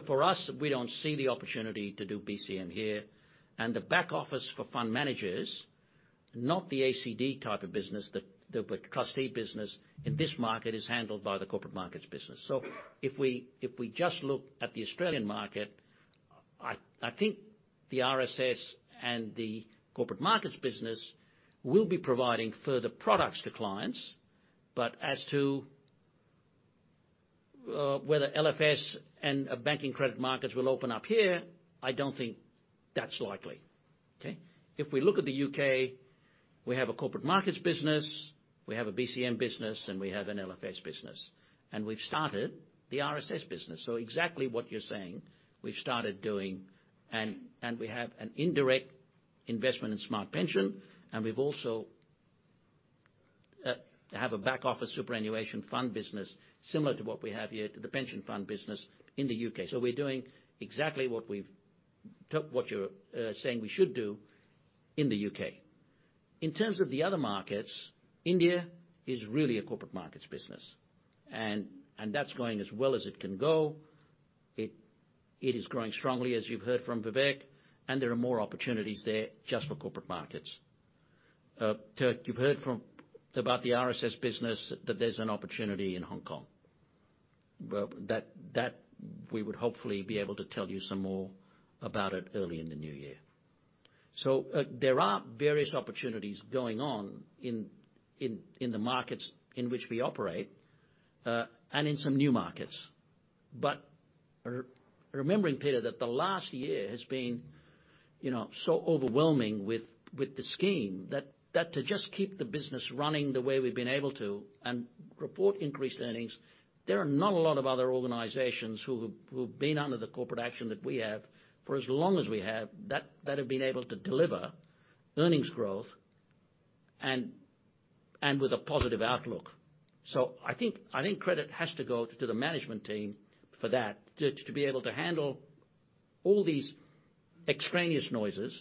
for us, we don't see the opportunity to do BCM here. The back office for fund managers, not the ACD type of business, the trustee business in this market is handled by the Corporate Markets business. If we just look at the Australian market, I think the RSS and the Corporate Markets business will be providing further products to clients. As to whether LFS and banking credit markets will open up here, I don't think that's likely, okay? If we look at the U.K., we have a Corporate Markets business, we have a BCM business, and we have an LFS business. We've started the RSS business. Exactly what you're saying, we've started doing, and we have an indirect investment in Smart Pension, and we've also have a back office superannuation fund business similar to what we have here to the pension fund business in the UK. We're doing exactly to what you're saying we should do in the U.K. In terms of the other markets, India is really a Corporate Markets business. And that's going as well as it can go. It is growing strongly, as you've heard from Vivek, and there are more opportunities there just for Corporate Markets. Peter, you've heard about the RSS business that there's an opportunity in Hong Kong. Well, that we would hopefully be able to tell you some more about it early in the new year. There are various opportunities going on in the markets in which we operate and in some new markets. Remembering, Peter, that the last year has been, you know, so overwhelming with the scheme that to just keep the business running the way we've been able to and report increased earnings, there are not a lot of other organizations who've been under the corporate action that we have for as long as we have that have been able to deliver earnings growth and with a positive outlook. I think credit has to go to the management team for that, to be able to handle all these extraneous noises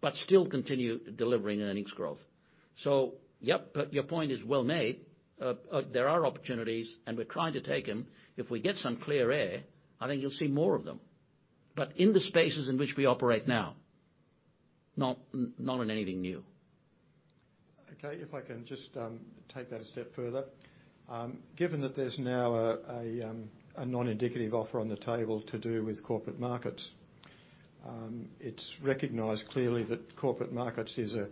but still continue delivering earnings growth. Yep, but your point is well made. There are opportunities, and we're trying to take them. If we get some clear air, I think you'll see more of them. In the spaces in which we operate now, not in anything new. If I can just take that a step further. Given that there's now a non-indicative offer on the table to do with Corporate Markets, it's recognized clearly that Corporate Markets is a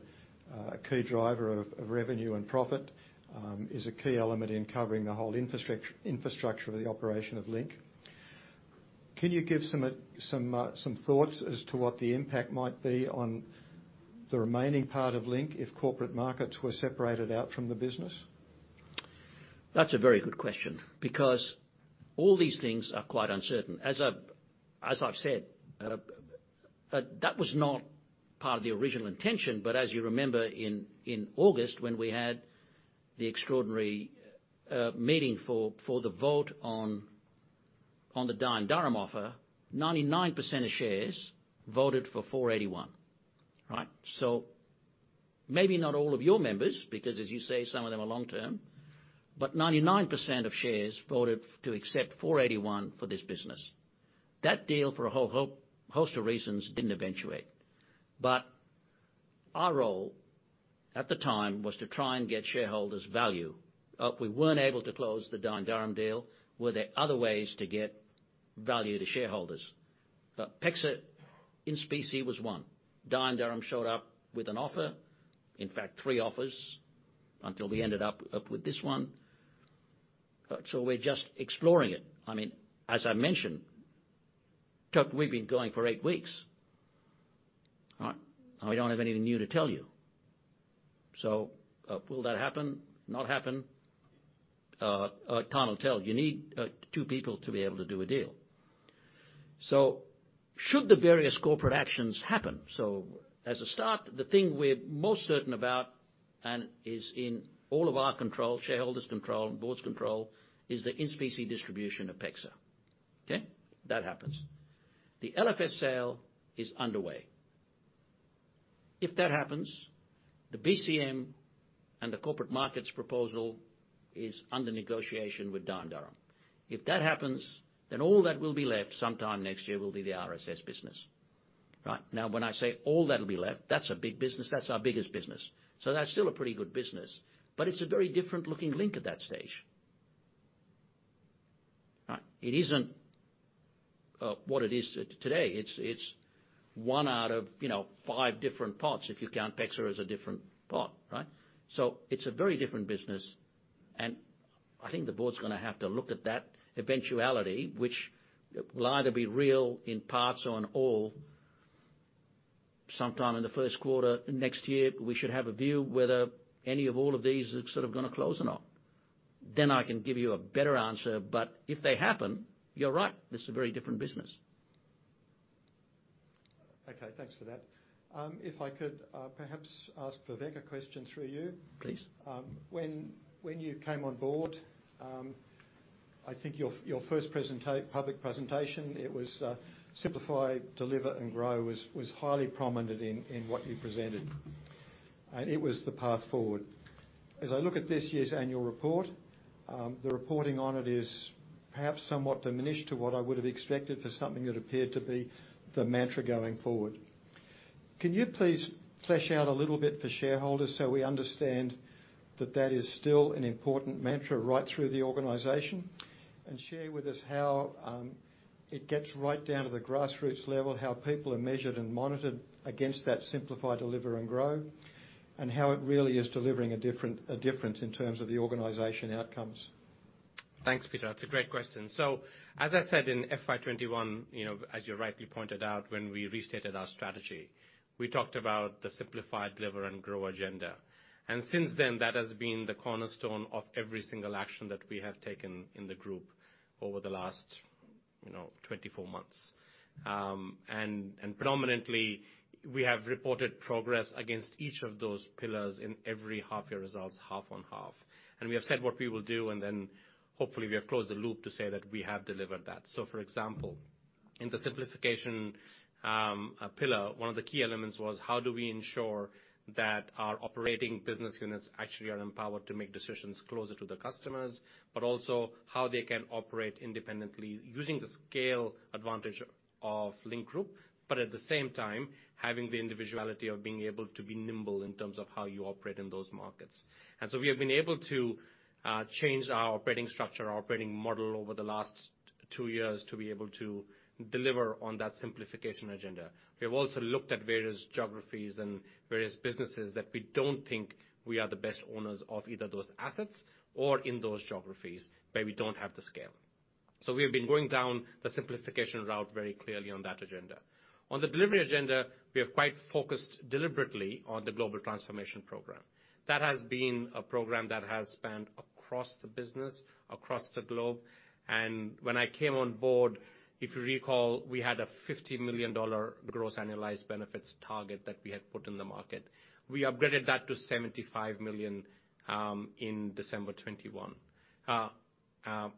key driver of revenue and profit, is a key element in covering the whole infrastructure of the operation of Link. Can you give some thoughts as to what the impact might be on the remaining part of Link if Corporate Markets were separated out from the business? That's a very good question because all these things are quite uncertain. As I've said, that was not part of the original intention. As you remember in August when we had the Extraordinary Meeting for the vote on the Dye & Durham offer, 99% of shares voted for 4.81, right? Maybe not all of your members, because as you say, some of them are long-term, 99% of shares voted to accept 4.81 for this business. That deal for a whole host of reasons didn't eventuate. Our role at the time was to try and get shareholders value. We weren't able to close the Dye & Durham deal. Were there other ways to get value to shareholders? PEXA in specie was one. Dye & Durham showed up with an offer, in fact, three offers, until we ended up with this one. We're just exploring it. I mean, as I mentioned, we've been going for eight weeks. All right. Now we don't have anything new to tell you. Will that happen? Not happen? Tom will tell you. You need two people to be able to do a deal. Should the various corporate actions happen, so as a start, the thing we're most certain about and is in all of our control, shareholders' control, Board's control, is the in-specie distribution of PEXA. Okay? That happens. The LFS sale is underway. If that happens, the BCM and the Corporate Markets proposal is under negotiation with Dye & Durham. If that happens, all that will be left sometime next year will be the RSS business. Right. When I say all that'll be left, that's a big business. That's our biggest business. That's still a pretty good business, but it's a very different-looking Link at that stage. Right. It isn't what it is today. It's one out of, you know, five different parts, if you count PEXA as a different part, right? It's a very different business, and I think the Board's gonna have to look at that eventuality, which will either be real in parts or in all. Sometime in the first quarter of next year, we should have a view whether any of all of these are sort of gonna close or not. I can give you a better answer, but if they happen, you're right. This is a very different business. Okay, thanks for that. If I could, perhaps ask Vivek a question through you. Please. When you came on board, I think your first public presentation, it was simplify, deliver, and grow was highly prominent in what you presented. It was the path forward. As I look at this year's Annual Report, the reporting on it is perhaps somewhat diminished to what I would have expected for something that appeared to be the mantra going forward. Can you please flesh out a little bit for shareholders so we understand that that is still an important mantra right through the organization, and share with us how it gets right down to the grassroots level, how people are measured and monitored against that simplify, deliver, and grow, and how it really is delivering a difference in terms of the organization outcomes? Thanks, Peter. That's a great question. As I said in FY 2021, you know, as you rightly pointed out, when we restated our strategy. We talked about the simplify, deliver, and grow agenda. Since then, that has been the cornerstone of every single action that we have taken in the group over the last, you know, 24 months. Predominantly, we have reported progress against each of those pillars in every half-year results, half on half. We have said what we will do, and hopefully we have closed the loop to say that we have delivered that. For example, in the simplification, pillar, one of the key elements was how do we ensure that our operating business units actually are empowered to make decisions closer to the customers, but also how they can operate independently using the scale advantage of Link Group, but at the same time, having the individuality of being able to be nimble in terms of how you operate in those markets. We have been able to change our operating structure, our operating model over the last two years to be able to deliver on that simplification agenda. We have also looked at various geographies and various businesses that we don't think we are the best owners of either those assets or in those geographies where we don't have the scale. We have been going down the simplification route very clearly on that agenda. On the delivery agenda, we are quite focused deliberately on the Global Transformation Program. That has been a program that has spanned across the business, across the globe. When I came on board, if you recall, we had an 50 million dollar gross annualized benefits target that we had put in the market. We upgraded that to 75 million in December 2021. Sorry,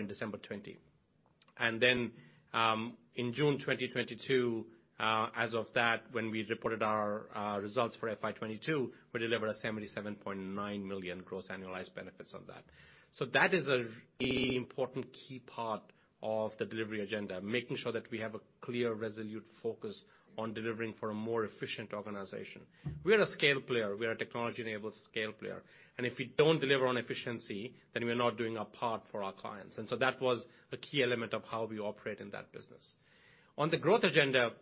in December 2020. In June 2022, as of that, when we reported our results for FY 2022, we delivered an 77.9 million gross annualized benefits on that. That is a really important key part of the delivery agenda, making sure that we have a clear, resolute focus on delivering for a more efficient organization. We're a scale player. We're a technology-enabled scale player. If we don't deliver on efficiency, then we're not doing our part for our clients. That was a key element of how we operate in that business. On the growth agenda,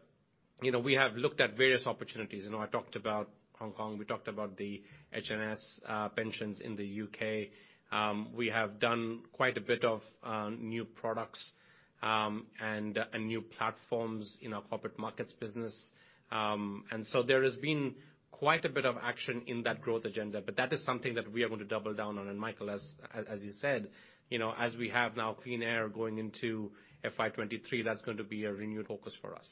you know, we have looked at various opportunities. You know, I talked about Hong Kong. We talked about the HS Pensions in the U.K. We have done quite a bit of new products and new platforms in our Corporate Markets business. There has been quite a bit of action in that growth agenda, but that is something that we are gonna double down on. Michael, as you said, you know, as we have now clean air going into FY 2023, that's going to be a renewed focus for us.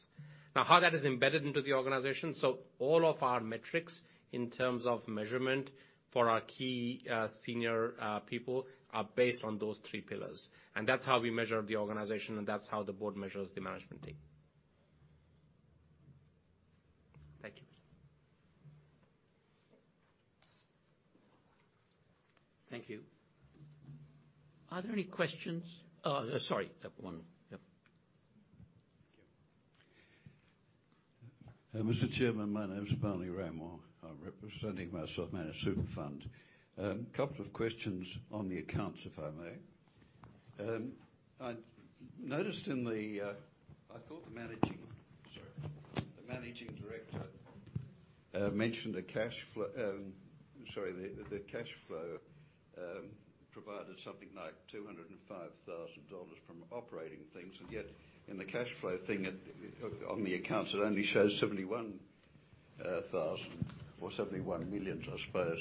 How that is embedded into the organization, so all of our metrics in terms of measurement for our key, senior, people are based on those three pillars. That's how we measure the organization, and that's how the Board measures the management team. Thank you. Thank you. Are there any questions? Oh, sorry. One. Yep. Thank you. Mr. Chairman, my name is Barney Rai. I'm representing myself, managed super fund. A couple of questions on the accounts, if I may. I noticed I thought the Managing Director mentioned the cash flow, sorry, the cash flow, provided something like 205,000 dollars from operating things, and yet in the cash flow thing at, on the accounts, it only shows 71,000 or 71 million, I suppose.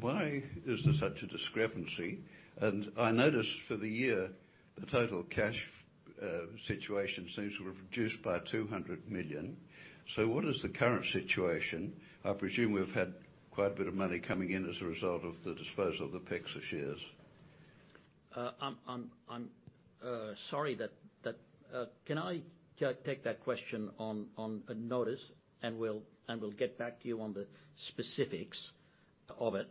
Why is there such a discrepancy? I noticed for the year, the total cash situation seems to have reduced by 200 million. What is the current situation? I presume we've had quite a bit of money coming in as a result of the disposal of the PEXA shares. I'm sorry that. Can I take that question on a notice, and we'll get back to you on the specifics of it.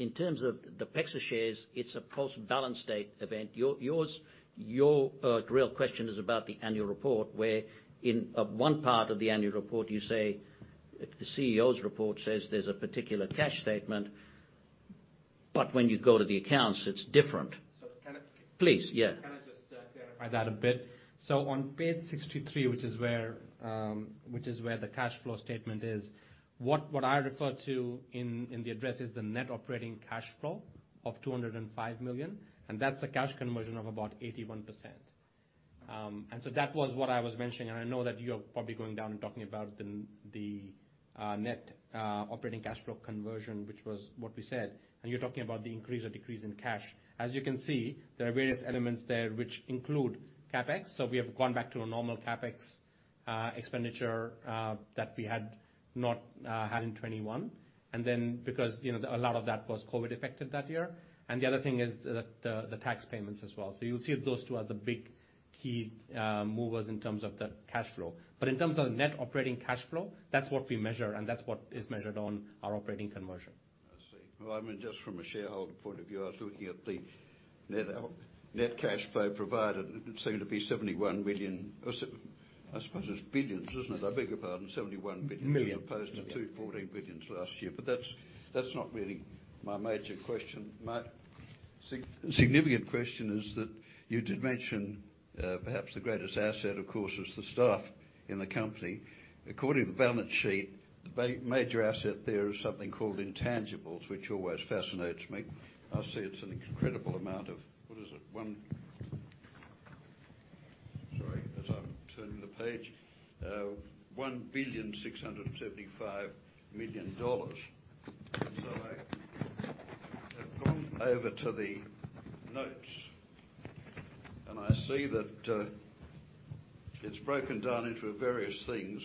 In terms of the PEXA shares, it's a post-balance date event. Your real question is about the Annual Report, where in one part of the Annual Report you say, the CEO's report says there's a particular cash statement, but when you go to the accounts, it's different. So can I- Please, yeah. Can I just clarify that a bit? On page 63, which is where the cash flow statement is, what I refer to in the address is the net operating cash flow of 205 million, and that's a cash conversion of about 81%. That was what I was mentioning, and I know that you're probably going down and talking about the net operating cash flow conversion, which was what we said, and you're talking about the increase or decrease in cash. As you can see, there are various elements there which include CapEx. We have gone back to a normal CapEx expenditure that we had not had in 2021. Because, you know, a lot of that was COVID affected that year. The other thing is the tax payments as well. You'll see those two are the big key movers in terms of the cash flow. In terms of net operating cash flow, that's what we measure, and that's what is measured on our operating conversion. I see. Well, I mean, just from a shareholder point of view, I was looking at the net cash flow provided. It seemed to be 71 million, or I suppose it's billions, isn't it? I beg your pardon, 71 billion. Million. As opposed to $2.14 billion last year. That's not really my major question. My significant question is that you did mention, perhaps the greatest asset, of course, is the staff in the company. According to the balance sheet, the major asset there is something called intangibles, which always fascinates me. I see it's an incredible amount of, what is it? Sorry, as I'm turning the page. $1.675 billion. I have gone over to the notes, and I see that it's broken down into various things.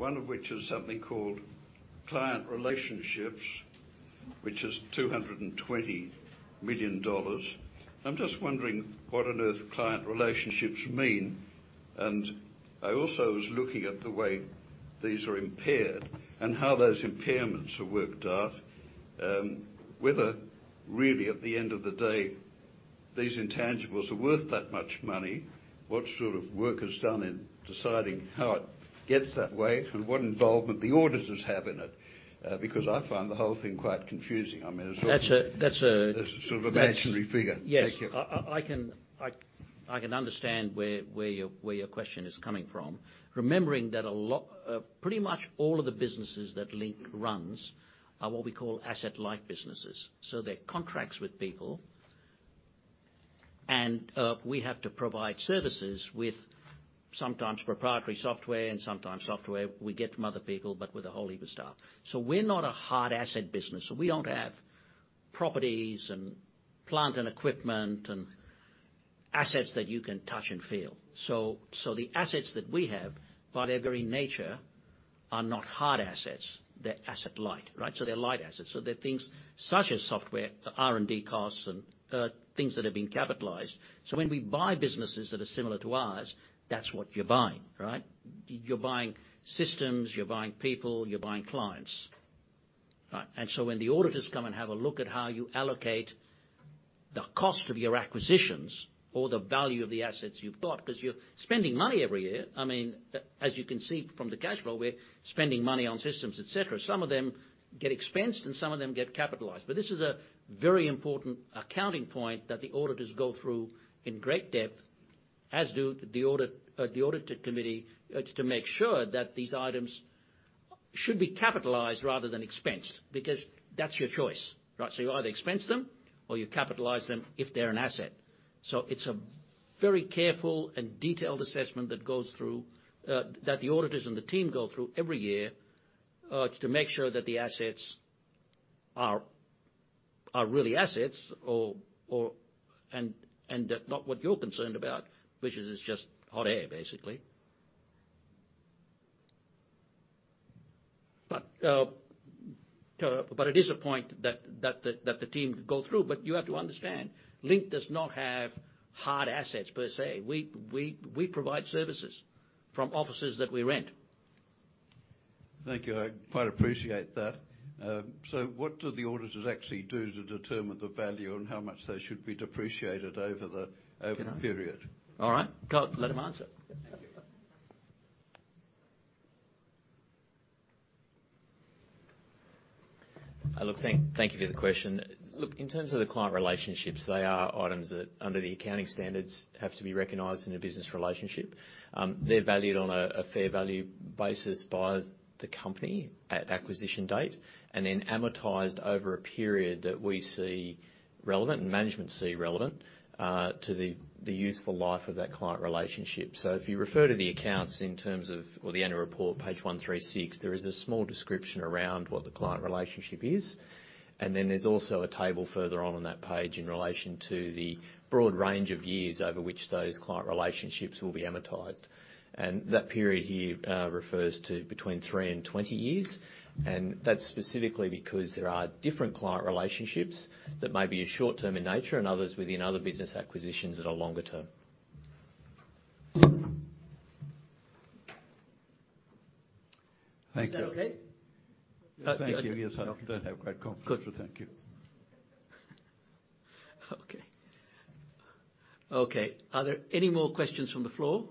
One of which is something called client relationships, which is $220 million. I'm just wondering what on earth client relationships mean. I also was looking at the way these are impaired and how those impairments are worked out, whether really at the end of the day, these intangibles are worth that much money, what sort of work is done in deciding how it gets that way, and what involvement the auditors have in it. I find the whole thing quite confusing. I mean, it's all... That's a. It's sort of imaginary figure. Yes. Thank you. I can understand where your question is coming from. Remembering that a lot, pretty much all of the businesses that Link runs are what we call asset-like businesses. They're contracts with people, and we have to provide services with sometimes proprietary software and sometimes software we get from other people, but with a whole heap of staff. We're not a hard asset business. We don't have properties and plant and equipment and assets that you can touch and feel. The assets that we have, by their very nature, are not hard assets. They're asset light, right? They're light assets. They're things such as software, R&D costs and things that have been capitalized. When we buy businesses that are similar to ours, that's what you're buying, right? You're buying systems, you're buying people, you're buying clients. Right. When the auditors come and have a look at how you allocate the cost of your acquisitions or the value of the assets you've got, 'cause you're spending money every year, I mean, as you can see from the cash flow, we're spending money on systems, et cetera. Some of them get expensed and some of them get capitalized. This is a very important accounting point that the auditors go through in great depth, as do the audit, the audited committee, to make sure that these items should be capitalized rather than expensed, because that's your choice, right? You either expense them or you capitalize them if they're an asset. It's a very careful and detailed assessment that goes through that the auditors and the team go through every year to make sure that the assets are really assets or they're not what you're concerned about, which is just hot air, basically. It is a point that the team go through. You have to understand, Link does not have hard assets per se. We provide services from offices that we rent. Thank you. I quite appreciate that. What do the auditors actually do to determine the value and how much they should be depreciated over the, over the period? All right. Carl, let him answer. Thank you for the question. In terms of the client relationships, they are items that, under the accounting standards, have to be recognized in a business relationship. They're valued on a fair value basis by the company at acquisition date, and then amortized over a period that we see relevant and management see relevant to the useful life of that client relationship. If you refer to the accounts in terms of... or the Annual Report, page 136, there is a small description around what the client relationship is. There's also a table further on on that page in relation to the broad range of years over which those client relationships will be amortized. That period here refers to between three and 20 years. That's specifically because there are different client relationships that may be short-term in nature and others within other business acquisitions that are longer term. Thank you. Is that okay? Thank you. Yes, I don't have great confidence. Good. Thank you. Okay. Okay, are there any more questions from the floor?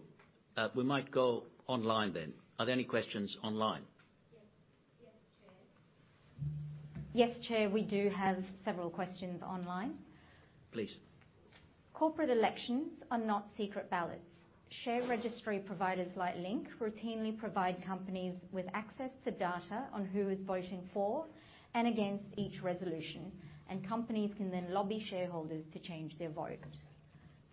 We might go online then. Are there any questions online? Yes. Yes, Chair. Yes, Chair, we do have several questions online. Please. Corporate elections are not secret ballots. Share registry providers like Link routinely provide companies with access to data on who is voting for and against each resolution, and companies can then lobby shareholders to change their vote.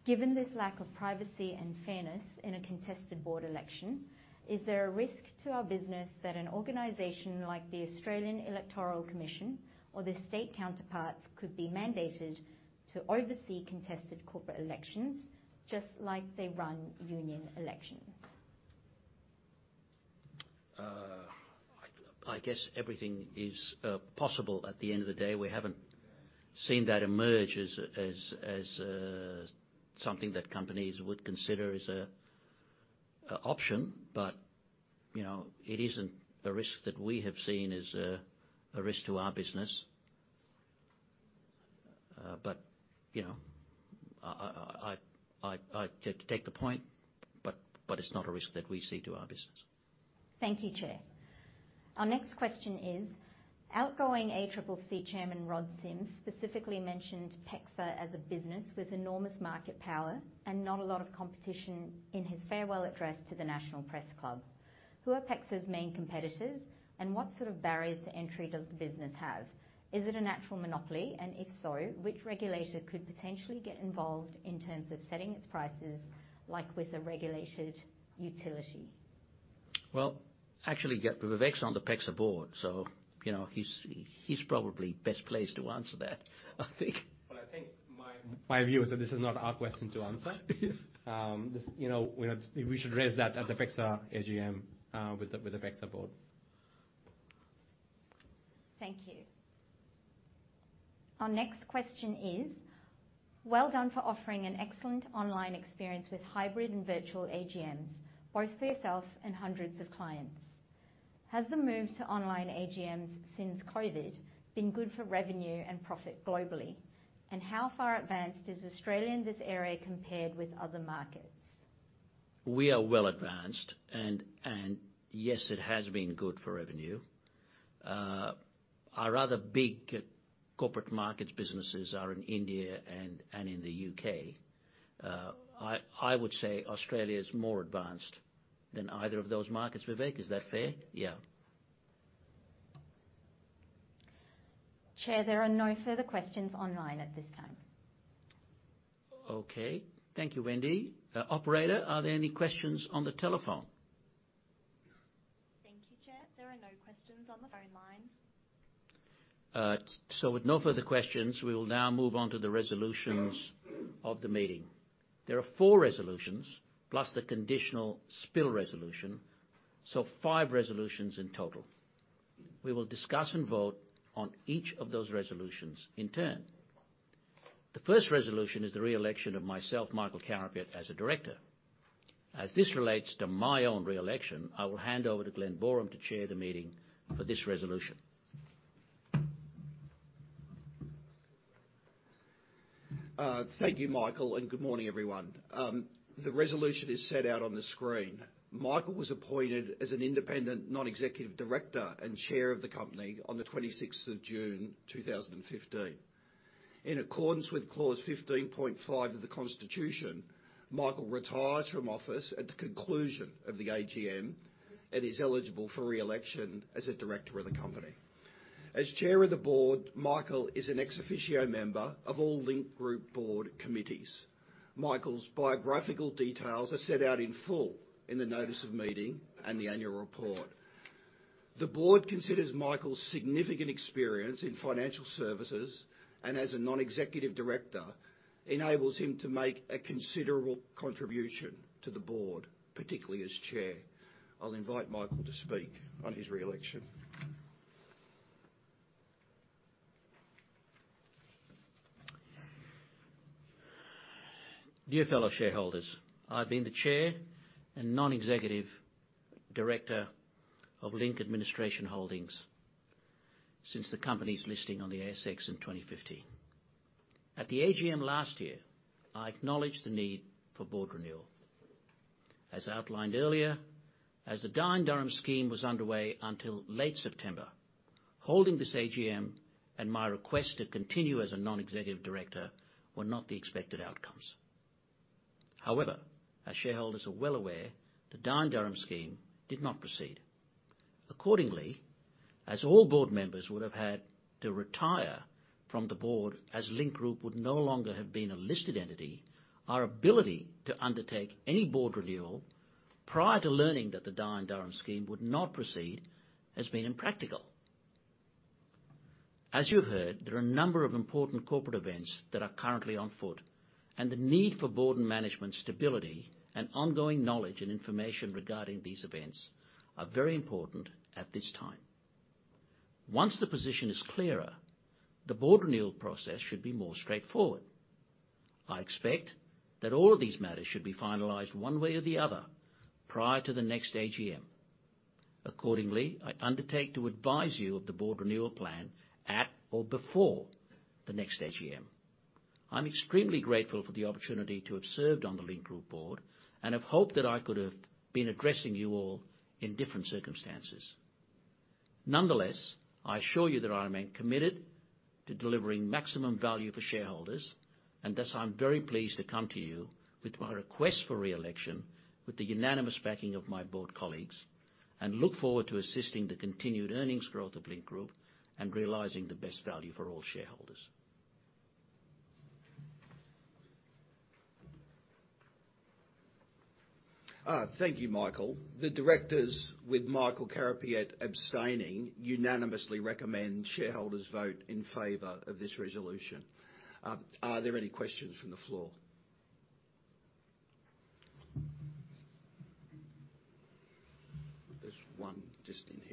Given this lack of privacy and fairness in a contested Board election, is there a risk to our business that an organization like the Australian Electoral Commission or the state counterparts could be mandated to oversee contested corporate elections just like they run union elections? I guess everything is possible. At the end of the day, we haven't seen that emerge as something that companies would consider as a option. You know, it isn't a risk that we have seen as a risk to our business. You know, I take the point, but it's not a risk that we see to our business. Thank you, Chair. Our next question is, outgoing ACCC Chairman Rod Sims specifically mentioned PEXA as a business with enormous market power and not a lot of competition in his farewell address to the National Press Club. Who are PEXA's main competitors, and what sort of barriers to entry does the business have? Is it a natural monopoly? If so, which regulator could potentially get involved in terms of setting its prices, like with a regulated utility? Actually, yeah, Vivek is on the PEXA Board, so, you know, he is probably best placed to answer that, I think. Well, I think my view is that this is not our question to answer. Yeah. This, you know, We should raise that at the PEXA AGM with the PEXA Board. Thank you. Our next question is, well done for offering an excellent online experience with hybrid and virtual AGMs, both for yourself and hundreds of clients. Has the move to online AGMs since COVID been good for revenue and profit globally? How far advanced is Australia in this area compared with other markets? We are well advanced. Yes, it has been good for revenue. Our other big Corporate Markets businesses are in India and in the U.K. I would say Australia's more advanced than either of those markets. Vivek, is that fair? Yeah. Chair, there are no further questions online at this time. Okay. Thank you, Wendy. operator, are there any questions on the telephone? Thank you, Chair. There are no questions on the phone lines. With no further questions, we will now move on to the resolutions of the meeting. There are four resolutions plus the Conditional Spill Resolution, so five resolutions in total. We will discuss and vote on each of those resolutions in turn. The first resolution is the re-election of myself, Michael Carapiet, as a Director. As this relates to my own re-election, I will hand over to Glen Boreham to Chair the Meeting for this resolution. Thank you, Michael. Good morning, everyone. The resolution is set out on the screen. Michael was appointed as an Independent Non-Executive Director and Chair of the company on the 26th of June 2015. In accordance with Clause 15.5 of the constitution, Michael retires from office at the conclusion of the AGM and is eligible for re-election as a Director of the company. As Chair of the Board, Michael is an ex officio member of all Link Group Board committees. Michael's biographical details are set out in full in the Notice of Meeting and the Annual Report. The Board considers Michael's significant experience in financial services and as a Non-Executive Director enables him to make a considerable contribution to the Board, particularly as Chair. I'll invite Michael to speak on his re-election. Dear fellow shareholders, I've been the Chair and Non-Executive Director of Link Administration Holdings since the company's listing on the ASX in 2015. At the AGM last year, I acknowledged the need for Board renewal. As outlined earlier, as the Dye & Durham Scheme was underway until late September, holding this AGM and my request to continue as a Non-Executive Director were not the expected outcomes. As shareholders are well aware, the Dye & Durham Scheme did not proceed. As all Board members would have had to retire from the Board as Link Group would no longer have been a listed entity, our ability to undertake any Board renewal prior to learning that the Dye & Durham Scheme would not proceed has been impractical. As you heard, there are a number of important corporate events that are currently on foot, the need for Board and management stability and ongoing knowledge and information regarding these events are very important at this time. Once the position is clearer, the Board renewal process should be more straightforward. I expect that all of these matters should be finalized one way or the other prior to the next AGM. Accordingly, I undertake to advise you of the Board renewal plan at or before the next AGM. I'm extremely grateful for the opportunity to have served on the Link Group Board and have hoped that I could have been addressing you all in different circumstances. Nonetheless, I assure you that I remain committed to delivering maximum value for shareholders, and thus I'm very pleased to come to you with my request for re-election with the unanimous backing of my Board colleagues and look forward to assisting the continued earnings growth of Link Group and realizing the best value for all shareholders. Thank you, Michael. The Directors, with Michael Carapiet abstaining, unanimously recommend shareholders vote in favor of this resolution. Are there any questions from the floor? There's one just in here.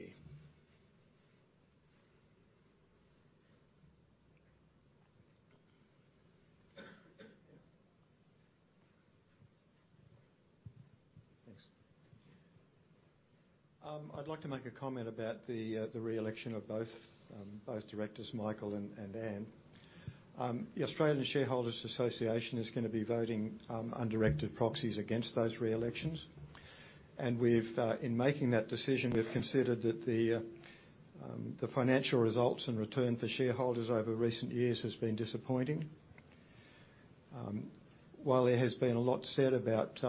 Thanks. I'd like to make a comment about the re-election of both Directors, Michael and Anne. The Australian Shareholders' Association is gonna be voting on directed proxies against those re-elections. We've in making that decision, we've considered that the financial results and return for shareholders over recent years has been disappointing. While there has been a lot said about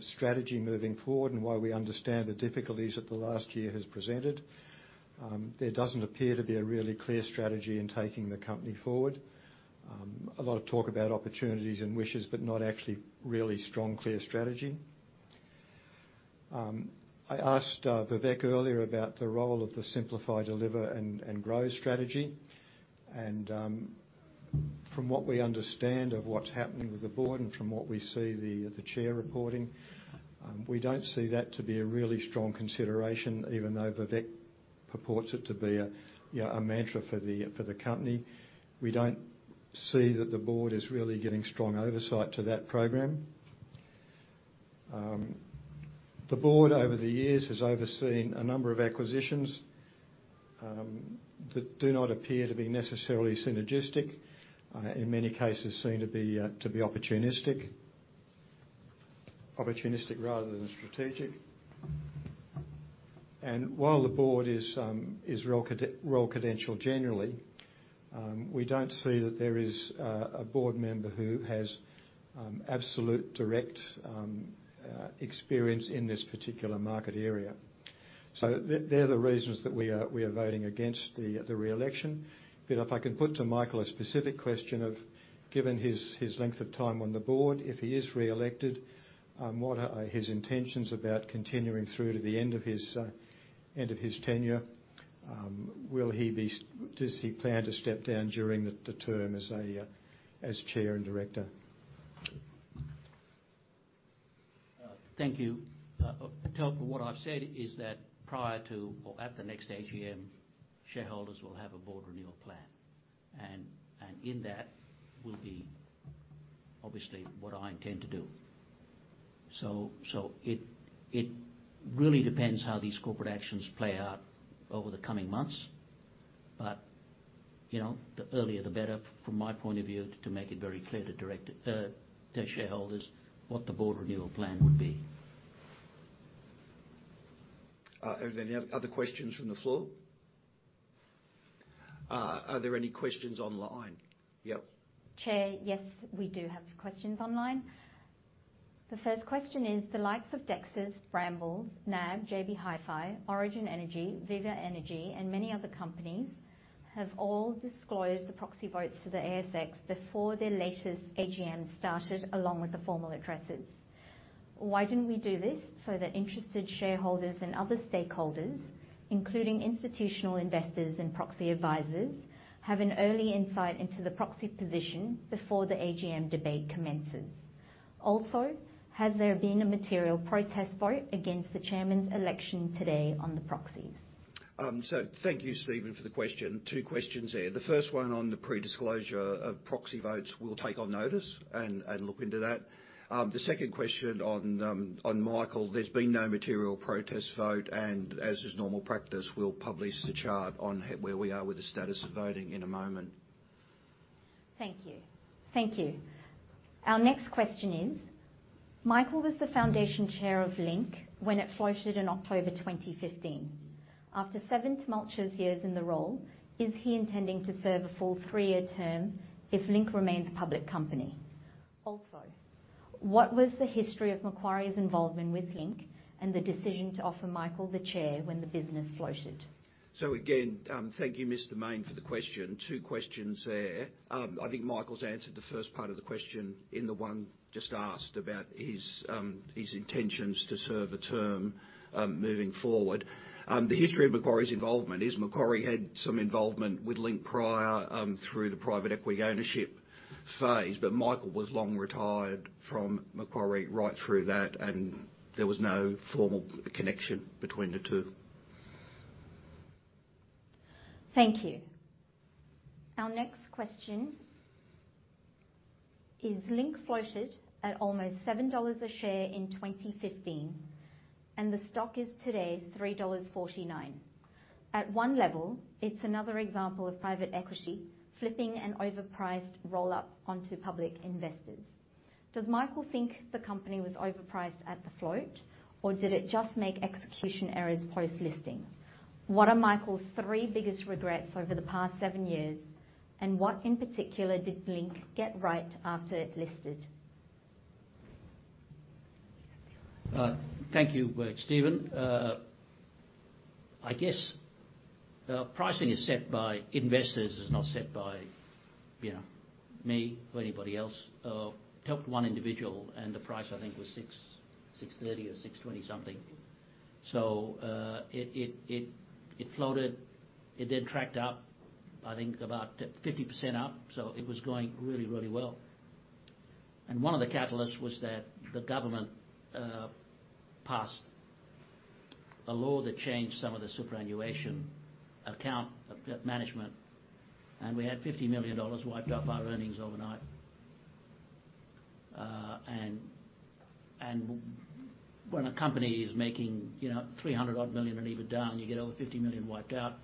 strategy moving forward and while we understand the difficulties that the last year has presented, there doesn't appear to be a really clear strategy in taking the company forward. A lot of talk about opportunities and wishes, not actually really strong, clear strategy. I asked Vivek earlier about the role of the Simplify, Deliver, and Grow strategy. From what we understand of what's happening with the Board and from what we see the chair reporting, we don't see that to be a really strong consideration, even though Vivek purports it to be a, you know, a mantra for the company. We don't see that the Board is really getting strong oversight to that program. The Board, over the years, has overseen a number of acquisitions that do not appear to be necessarily synergistic. In many cases, seem to be opportunistic. Opportunistic rather than strategic. While the Board is well-credentialed generally, we don't see that there is a Board member who has absolute direct experience in this particular market area. They're the reasons that we are voting against the re-election. If I could put to Michael a specific question of, given his length of time on the Board, if he is re-elected, what are his intentions about continuing through to the end of his tenure? Does he plan to step down during the term as a Chair and Director? Thank you. Tell from what I've said is that prior to or at the next AGM, shareholders will have a Board renewal plan. In that will be obviously what I intend to do. It really depends how these corporate actions play out over the coming months. You know, the earlier, the better from my point of view, to make it very clear to director, to shareholders what the Board renewal plan would be. Are there any other questions from the floor? Are there any questions online? Yep. Chair, yes, we do have questions online. The first question is: The likes of Dexus, Brambles, NAB, JB Hi-Fi, Origin Energy, Viva Energy, and many other companies have all disclosed the proxy votes to the ASX before their latest AGM started, along with the formal addresses. Why didn't we do this so that interested shareholders and other stakeholders, including institutional investors and proxy advisors, have an early insight into the proxy position before the AGM debate commences? Also, has there been a material protest vote against the Chairman's election today on the proxies? Thank you, Stephen, for the question. Two questions there. The first one on the pre-disclosure of proxy votes, we'll take on notice and look into that. The second question on Michael, there's been no material protest vote, and as is normal practice, we'll publish the chart on where we are with the status of voting in a moment. Thank you. Thank you. Our next question is, Michael was the foundation Chair of Link when it floated in October 2015. After seven tumultuous years in the role, is he intending to serve a full three-year term if Link remains a public company? Also, what was the history of Macquarie's involvement with Link and the decision to offer Michael the Chair when the business floated? Again, thank you, Mr. Mayne, for the question. Two questions there. I think Michael's answered the first part of the question in the one just asked about his intentions to serve a term moving forward. The history of Macquarie's involvement is Macquarie had some involvement with Link prior through the private equity ownership phase, but Michael was long retired from Macquarie right through that, and there was no formal connection between the two. Thank you. Our next question is Link floated at almost $7 a share in 2015, the stock is today $3.49. At one level, it's another example of private equity flipping an overpriced roll-up onto public investors. Does Michael think the company was overpriced at the float, or did it just make execution errors post-listing? What are Michael's three biggest regrets over the past seven years, what in particular did Link get right after it listed? Thank you, Stephen. I guess pricing is set by investors. It's not set by, you know, me or anybody else. Talked to one individual, the price I think was 6, 6.30 or 6.20 something. It floated. It then tracked up, I think about 50% up. It was going really, really well. One of the catalysts was that the government passed a law that changed some of the superannuation account management, and we had 50 million dollars wiped off our earnings overnight. When a company is making, you know, 300 odd million and EBITDA, and you get over 50 million wiped out,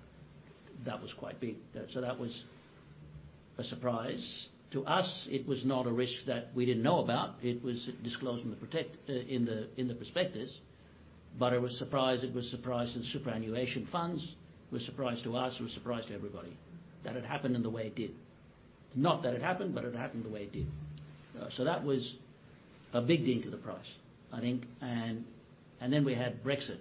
that was quite big. That was a surprise to us. It was not a risk that we didn't know about. It was disclosed in the prospectus. It was a surprise. It was a surprise to the superannuation funds. It was a surprise to us. It was a surprise to everybody that it happened in the way it did. Not that it happened, but it happened the way it did. That was a big dent to the price, I think. Then we had Brexit.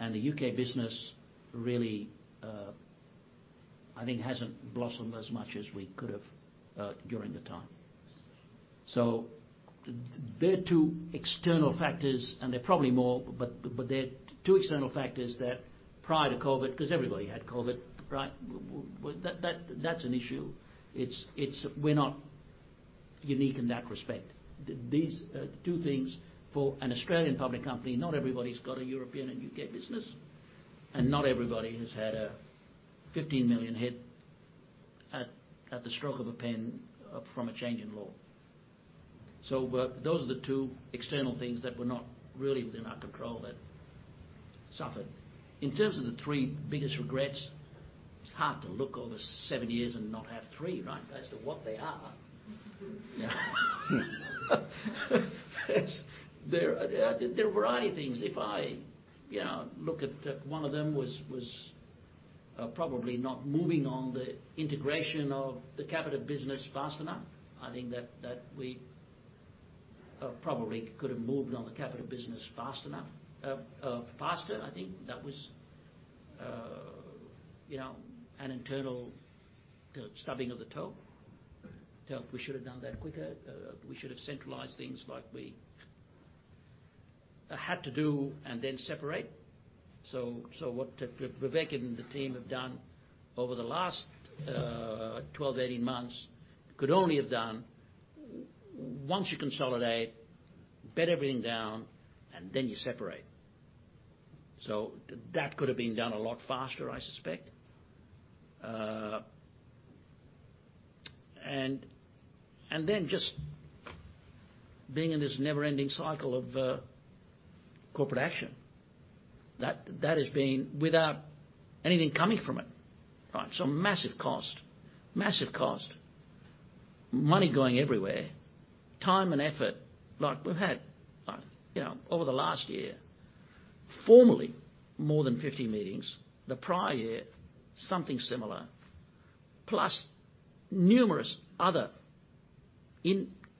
The U.K. business really, I think hasn't blossomed as much as we could have during the time. There are two external factors, and there are probably more, but there are two external factors that prior to COVID, because everybody had COVID, right? Well, that's an issue. It's we're not unique in that respect. These two things for an Australian public company, not everybody's got a European and U.K. business, and not everybody has had an 15 million hit at the stroke of a pen from a change in law. Those are the two external things that were not really within our control that suffered. In terms of the three biggest regrets, it's hard to look over seven years and not have three, right, as to what they are. There are a variety of things. If I, you know, look at one of them was probably not moving on the integration of the Capita business fast enough. I think that we probably could have moved on the Capita business fast enough faster. I think that was, you know, an internal stubbing of the toe, that we should have done that quicker. We should have centralized things like we had to do and then separate. What Vivek and the team have done over the last 12, 18 months could only have done once you consolidate, bed everything down, and then you separate. That could have been done a lot faster, I suspect. And then just being in this never-ending cycle of corporate action, that has been without anything coming from it, right? Massive cost. Massive cost. Money going everywhere, time and effort like we've had, you know, over the last year, formally more than 50 meetings. The prior year, something similar, plus numerous other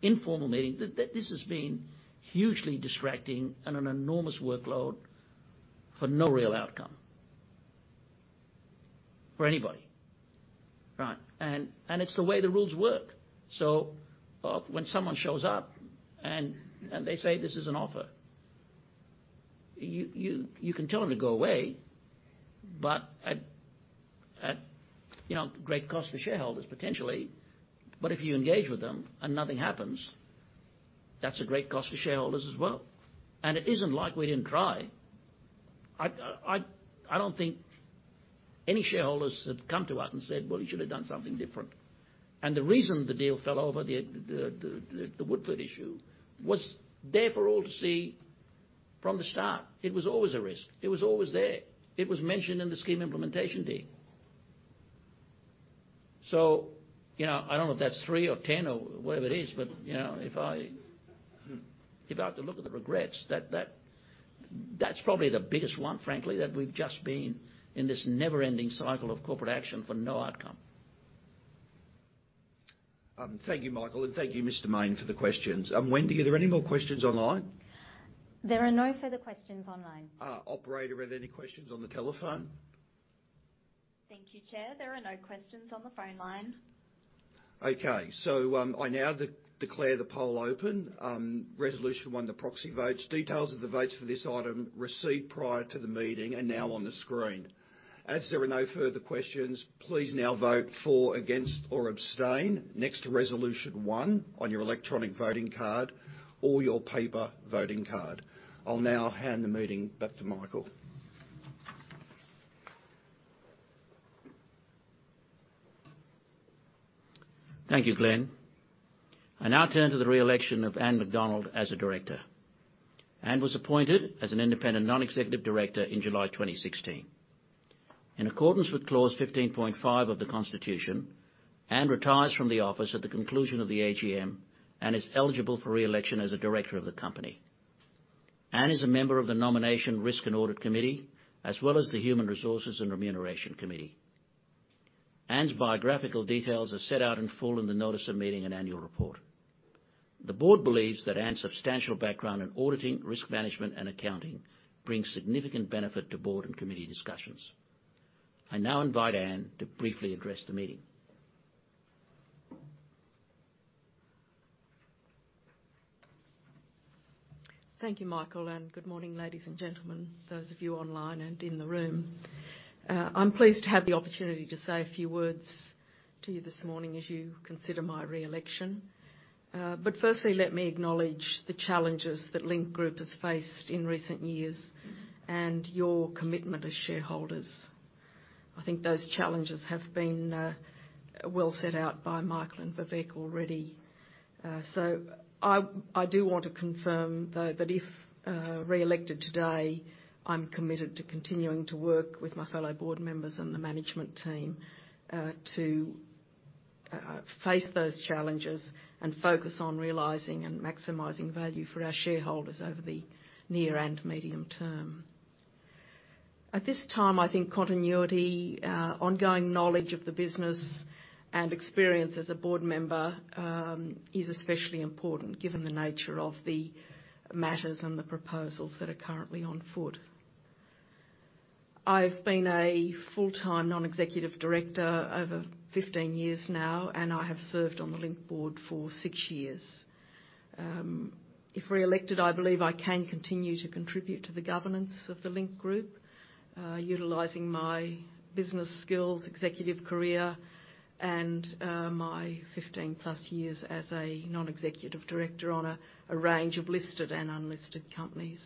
informal meetings. This has been hugely distracting and an enormous workload for no real outcome for anybody, right? It's the way the rules work. When someone shows up and they say, "This is an offer," you can tell them to go away, but at, you know, great cost to shareholders potentially. If you engage with them and nothing happens, that's a great cost to shareholders as well. It isn't like we didn't try. I don't think any shareholders have come to us and said, "Well, you should have done something different." The reason the deal fell over, the Woodford issue, was there for all to see. From the start, it was always a risk. It was always there. It was mentioned in the Scheme Implementation Deed. You know, I don't know if that's three or 10 or whatever it is, but, you know, if I, if I have to look at the regrets that's probably the biggest one, frankly, that we've just been in this never-ending cycle of corporate action for no outcome. Thank you, Michael, and thank you, Mr. Mayne, for the questions. Wendy, are there any more questions online? There are no further questions online. Operator, are there any questions on the telephone? Thank you, Chair. There are no questions on the phone line. Okay. I now declare the poll open. Resolution one, the proxy votes. Details of the votes for this item received prior to the meeting are now on the screen. As there are no further questions, please now vote for, against, or abstain next to resolution one on your electronic voting card or your paper voting card. I'll now hand the meeting back to Michael. Thank you, Glen. I now turn to the re-election of Anne McDonald as a director. Anne was appointed as an Independent Non-Executive Director in July 2016. In accordance with Clause 15.5 of the constitution, Anne retires from the office at the conclusion of the AGM and is eligible for re-election as a Director of the company. Anne is a member of the Nomination, Risk, and Audit Committee, as well as the Human Resources and Remuneration Committee. Anne's biographical details are set out in full in the Notice of Meeting and Annual Report. The Board believes that Anne's substantial background in auditing, risk management, and accounting brings significant benefit to Board and committee discussions. I now invite Anne to briefly address the Meeting. Thank you, Michael, good morning, ladies and gentlemen, those of you online and in the room. I'm pleased to have the opportunity to say a few words to you this morning as you consider my re-election. Firstly, let me acknowledge the challenges that Link Group has faced in recent years and your commitment as shareholders. I think those challenges have been well set out by Michael and Vivek already. I do want to confirm, though, that if re-elected today, I'm committed to continuing to work with my fellow Board members and the management team, to face those challenges and focus on realizing and maximizing value for our shareholders over the near and medium term. At this time, I think continuity, ongoing knowledge of the business and experience as a board member, is especially important given the nature of the matters and the proposals that are currently on foot. I've been a full-time Non-Executive Director over 15 years now, and I have served on the Link Board for six years. If re-elected, I believe I can continue to contribute to the governance of the Link Group, utilizing my business skills, executive career, and my 15+ years as a non-executive director on a range of listed and unlisted companies.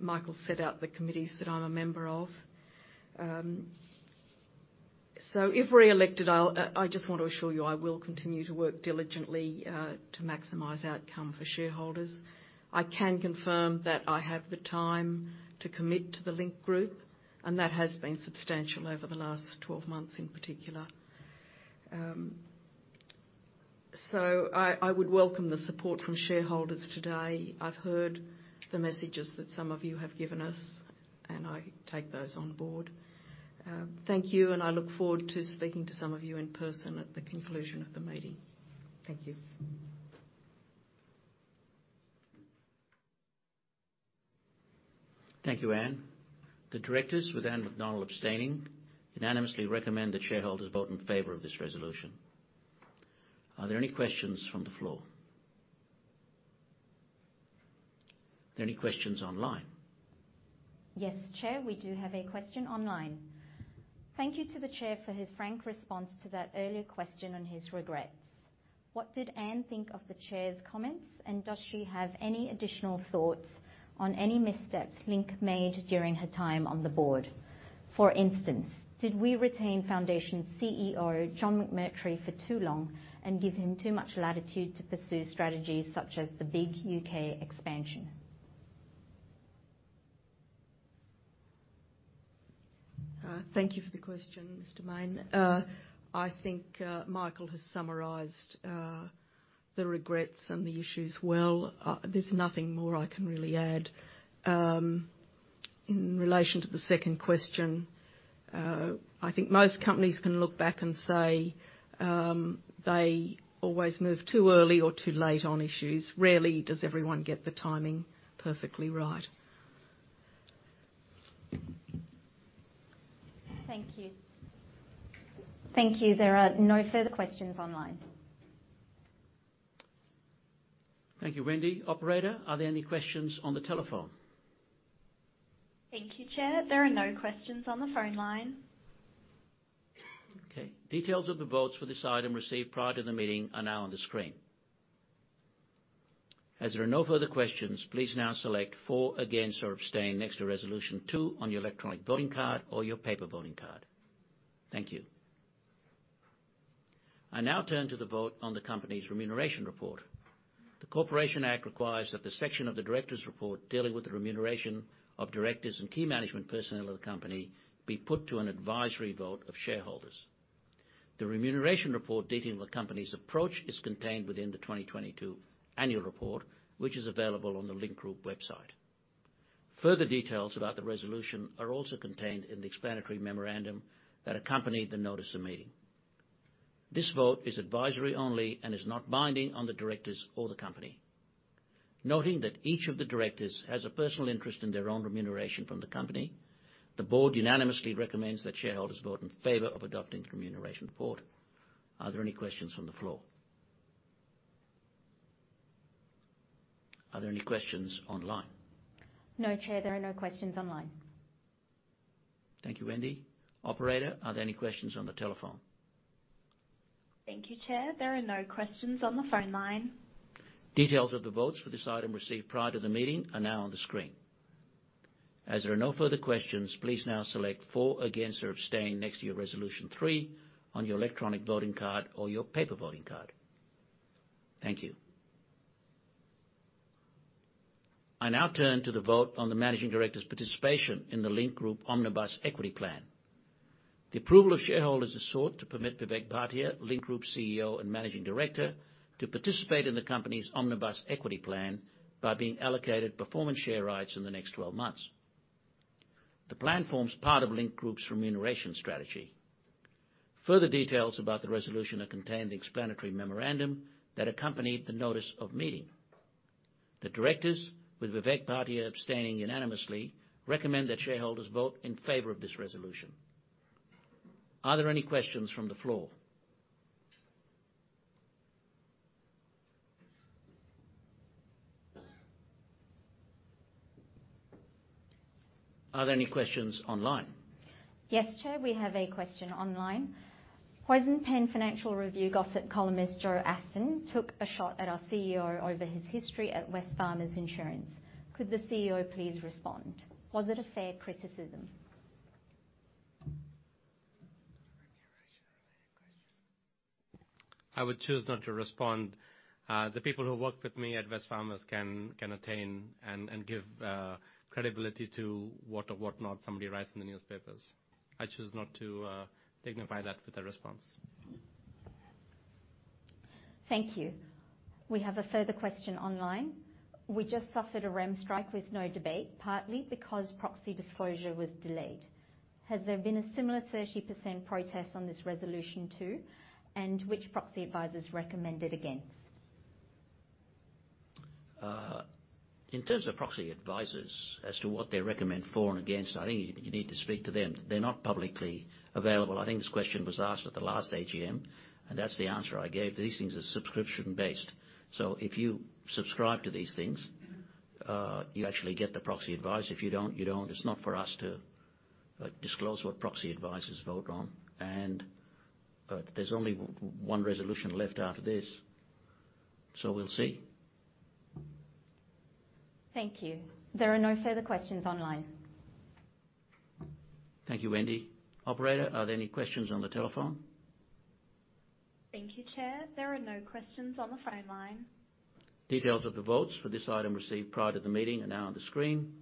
Michael set out the committees that I'm a member of. If re-elected, I'll just want to assure you I will continue to work diligently to maximize outcome for shareholders. I can confirm that I have the time to commit to the Link Group, and that has been substantial over the last 12 months in particular. I would welcome the support from shareholders today. I've heard the messages that some of you have given us, and I take those on board. Thank you, I look forward to speaking to some of you in person at the conclusion of the meeting. Thank you. Thank you, Anne. The Directors, with Anne McDonald abstaining, unanimously recommend that shareholders vote in favor of this resolution. Are there any questions from the floor? Are there any questions online? Yes, Chair. We do have a question online. Thank you to the Chair for his frank response to that earlier question on his regrets. What did Anne think of the Chair's comments, and does she have any additional thoughts on any missteps Link made during her time on the Board? For instance, did we retain Foundation CEO John McMurtrie for too long and give him too much latitude to pursue strategies such as the big U.K. expansion? Thank you for the question, Mr. Mayne. I think Michael has summarized the regrets and the issues well. There's nothing more I can really add. In relation to the second question, I think most companies can look back and say they always move too early or too late on issues. Rarely does everyone get the timing perfectly right. Thank you. Thank you. There are no further questions online. Thank you, Wendy. Operator, are there any questions on the telephone? Thank you, Chair. There are no questions on the phone line. Okay. Details of the votes for this item received prior to the Meeting are now on the screen. As there are no further questions, please now select for, against, or abstain next to resolution two on your electronic voting card or your paper voting card. Thank you. I now turn to the vote on the company's Remuneration Report. The Corporations Act requires that the section of the directors' report dealing with the remuneration of directors and key management personnel of the company be put to an advisory vote of shareholders. The Remuneration Report dealing with the company's approach is contained within the 2022 Annual Report, which is available on the Link Group website. Further details about the resolution are also contained in the explanatory memorandum that accompanied the Notice of Meeting. This vote is advisory only and is not binding on the directors or the company. Noting that each of the directors has a personal interest in their own remuneration from the company, the Board unanimously recommends that shareholders vote in favor of adopting the Remuneration Report. Are there any questions from the floor? Are there any questions online? No, Chair, there are no questions online. Thank you, Wendy. Operator, are there any questions on the telephone? Thank you, Chair. There are no questions on the phone line. Details of the votes for this item received prior to the Meeting are now on the screen. As there are no further questions, please now select for against or abstain next to your resolution three on your electronic voting card or your paper voting card. Thank you. I now turn to the vote on the Managing Director's participation in the Link Group Omnibus Equity Plan. The approval of shareholders is sought to permit Vivek Bhatia, Link Group CEO and Managing Director, to participate in the company's Omnibus Equity Plan by being allocated performance share rights in the next 12 months. The plan forms part of Link Group's remuneration strategy. Further details about the resolution are contained in the explanatory memorandum that accompanied the notice of meeting. The directors, with Vivek Bhatia abstaining unanimously, recommend that shareholders vote in favor of this resolution. Are there any questions from the floor? Are there any questions online? Yes, Chair, we have a question online. Poison Pen Financial Review gossip columnist Joe Aston took a shot at our CEO over his history at Wesfarmers Insurance. Could the CEO please respond? Was it a fair criticism? Remuneration related question. I would choose not to respond. The people who worked with me at Wesfarmers can attain and give credibility to what or what not somebody writes in the newspapers. I choose not to dignify that with a response. Thank you. We have a further question online. We just suffered a rem strike with no debate, partly because proxy disclosure was delayed. Has there been a similar 30% protest on this resolution too, and which proxy advisors recommend it against? In terms of proxy advisors as to what they recommend for and against, I think you need to speak to them. They're not publicly available. I think this question was asked at the last AGM, and that's the answer I gave. These things are subscription-based. If you subscribe to these things, you actually get the proxy advice. If you don't, you don't. It's not for us to disclose what proxy advisors vote on. There's only one resolution left after this, so we'll see. Thank you. There are no further questions online. Thank you, Wendy. Operator, are there any questions on the telephone? Thank you, Chair. There are no questions on the phone line. Details of the votes for this item received prior to the Meeting are now on the screen.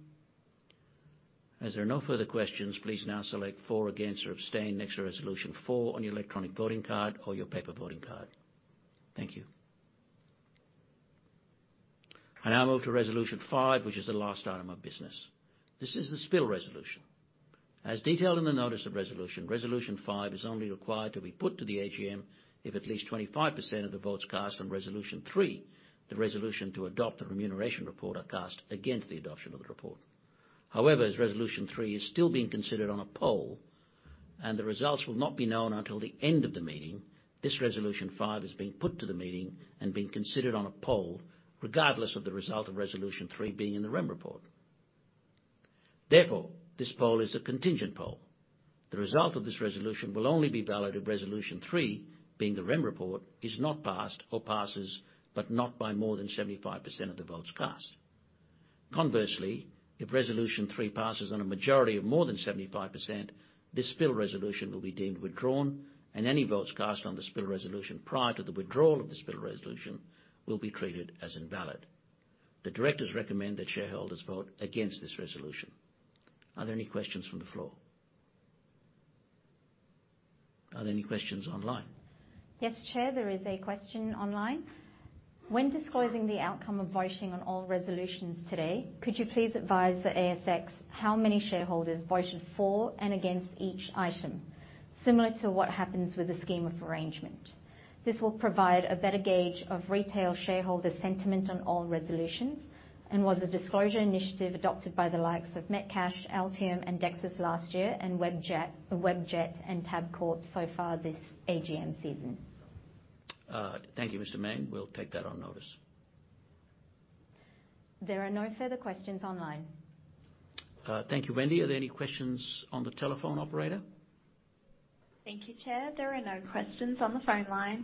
There are no further questions, please now select for, against, or abstain next to resolution four on your electronic voting card or your paper voting card. Thank you. I now move to resolution five, which is the last item of business. This is the Spill Resolution. Detailed in the notice of resolution five is only required to be put to the AGM if at least 25% of the votes cast on resolution three, the resolution to adopt the Remuneration Report, are cast against the adoption of the report. As resolution three is still being considered on a poll and the results will not be known until the end of the Meeting, this resolution five is being put to the Meeting and being considered on a poll regardless of the result of resolution three being in the rem report. This poll is a contingent poll. The result of this resolution will only be valid if resolution three, being the rem report, is not passed or passes, but not by more than 75% of the votes cast. If resolution three passes on a majority of more than 75%, this Spill Resolution will be deemed withdrawn, and any votes cast on the Spill Resolution prior to the withdrawal of the Spill Resolution will be treated as invalid. The directors recommend that shareholders vote against this resolution. Are there any questions from the floor? Are there any questions online? Yes, Chair. There is a question online. When disclosing the outcome of voting on all resolutions today, could you please advise the ASX how many shareholders voted for and against each item, similar to what happens with the scheme of arrangement? This will provide a better gauge of retail shareholder sentiment on all resolutions and was a disclosure initiative adopted by the likes of Metcash, Altium, and Dexus last year and Webjet and Tabcorp so far this AGM season. Thank you, Mr. Mayne. We'll take that on notice. There are no further questions online. Thank you, Wendy. Are there any questions on the telephone, operator? Thank you, Chair. There are no questions on the phone line.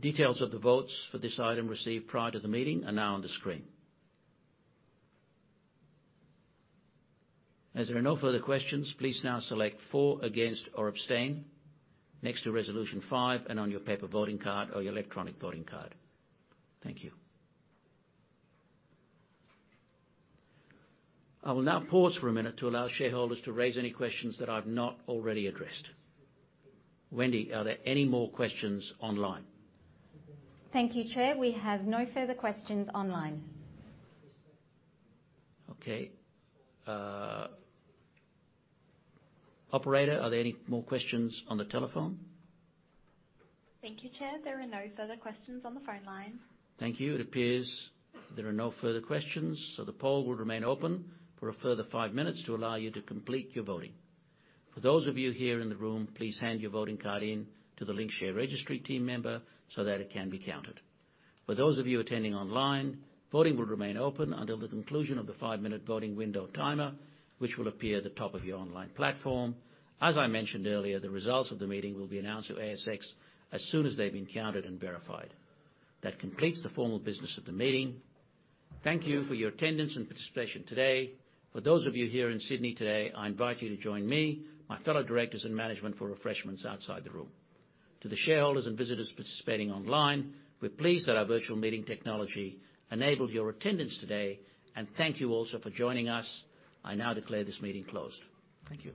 Details of the votes for this item received prior to the Meeting are now on the screen. As there are no further questions, please now select for, against, or abstain next to resolution five and on your paper voting card or your electronic voting card. Thank you. I will now pause for a minute to allow shareholders to raise any questions that I've not already addressed. Wendy, are there any more questions online? Thank you, Chair. We have no further questions online. Okay. Operator, are there any more questions on the telephone? Thank you, Chair. There are no further questions on the phone line. Thank you. It appears there are no further questions. The poll will remain open for a further five minutes to allow you to complete your voting. For those of you here in the room, please hand your voting card in to the Link Share Registry team member so that it can be counted. For those of you attending online, voting will remain open until the conclusion of the five-minute voting window timer, which will appear at the top of your online platform. As I mentioned earlier, the results of the meeting will be announced to ASX as soon as they've been counted and verified. That completes the formal business of the Meeting. Thank you for your attendance and participation today. For those of you here in Sydney today, I invite you to join me, my fellow directors and management for refreshments outside the room. To the shareholders and visitors participating online, we're pleased that our virtual meeting technology enabled your attendance today, and thank you also for joining us. I now declare this Meeting closed. Thank you.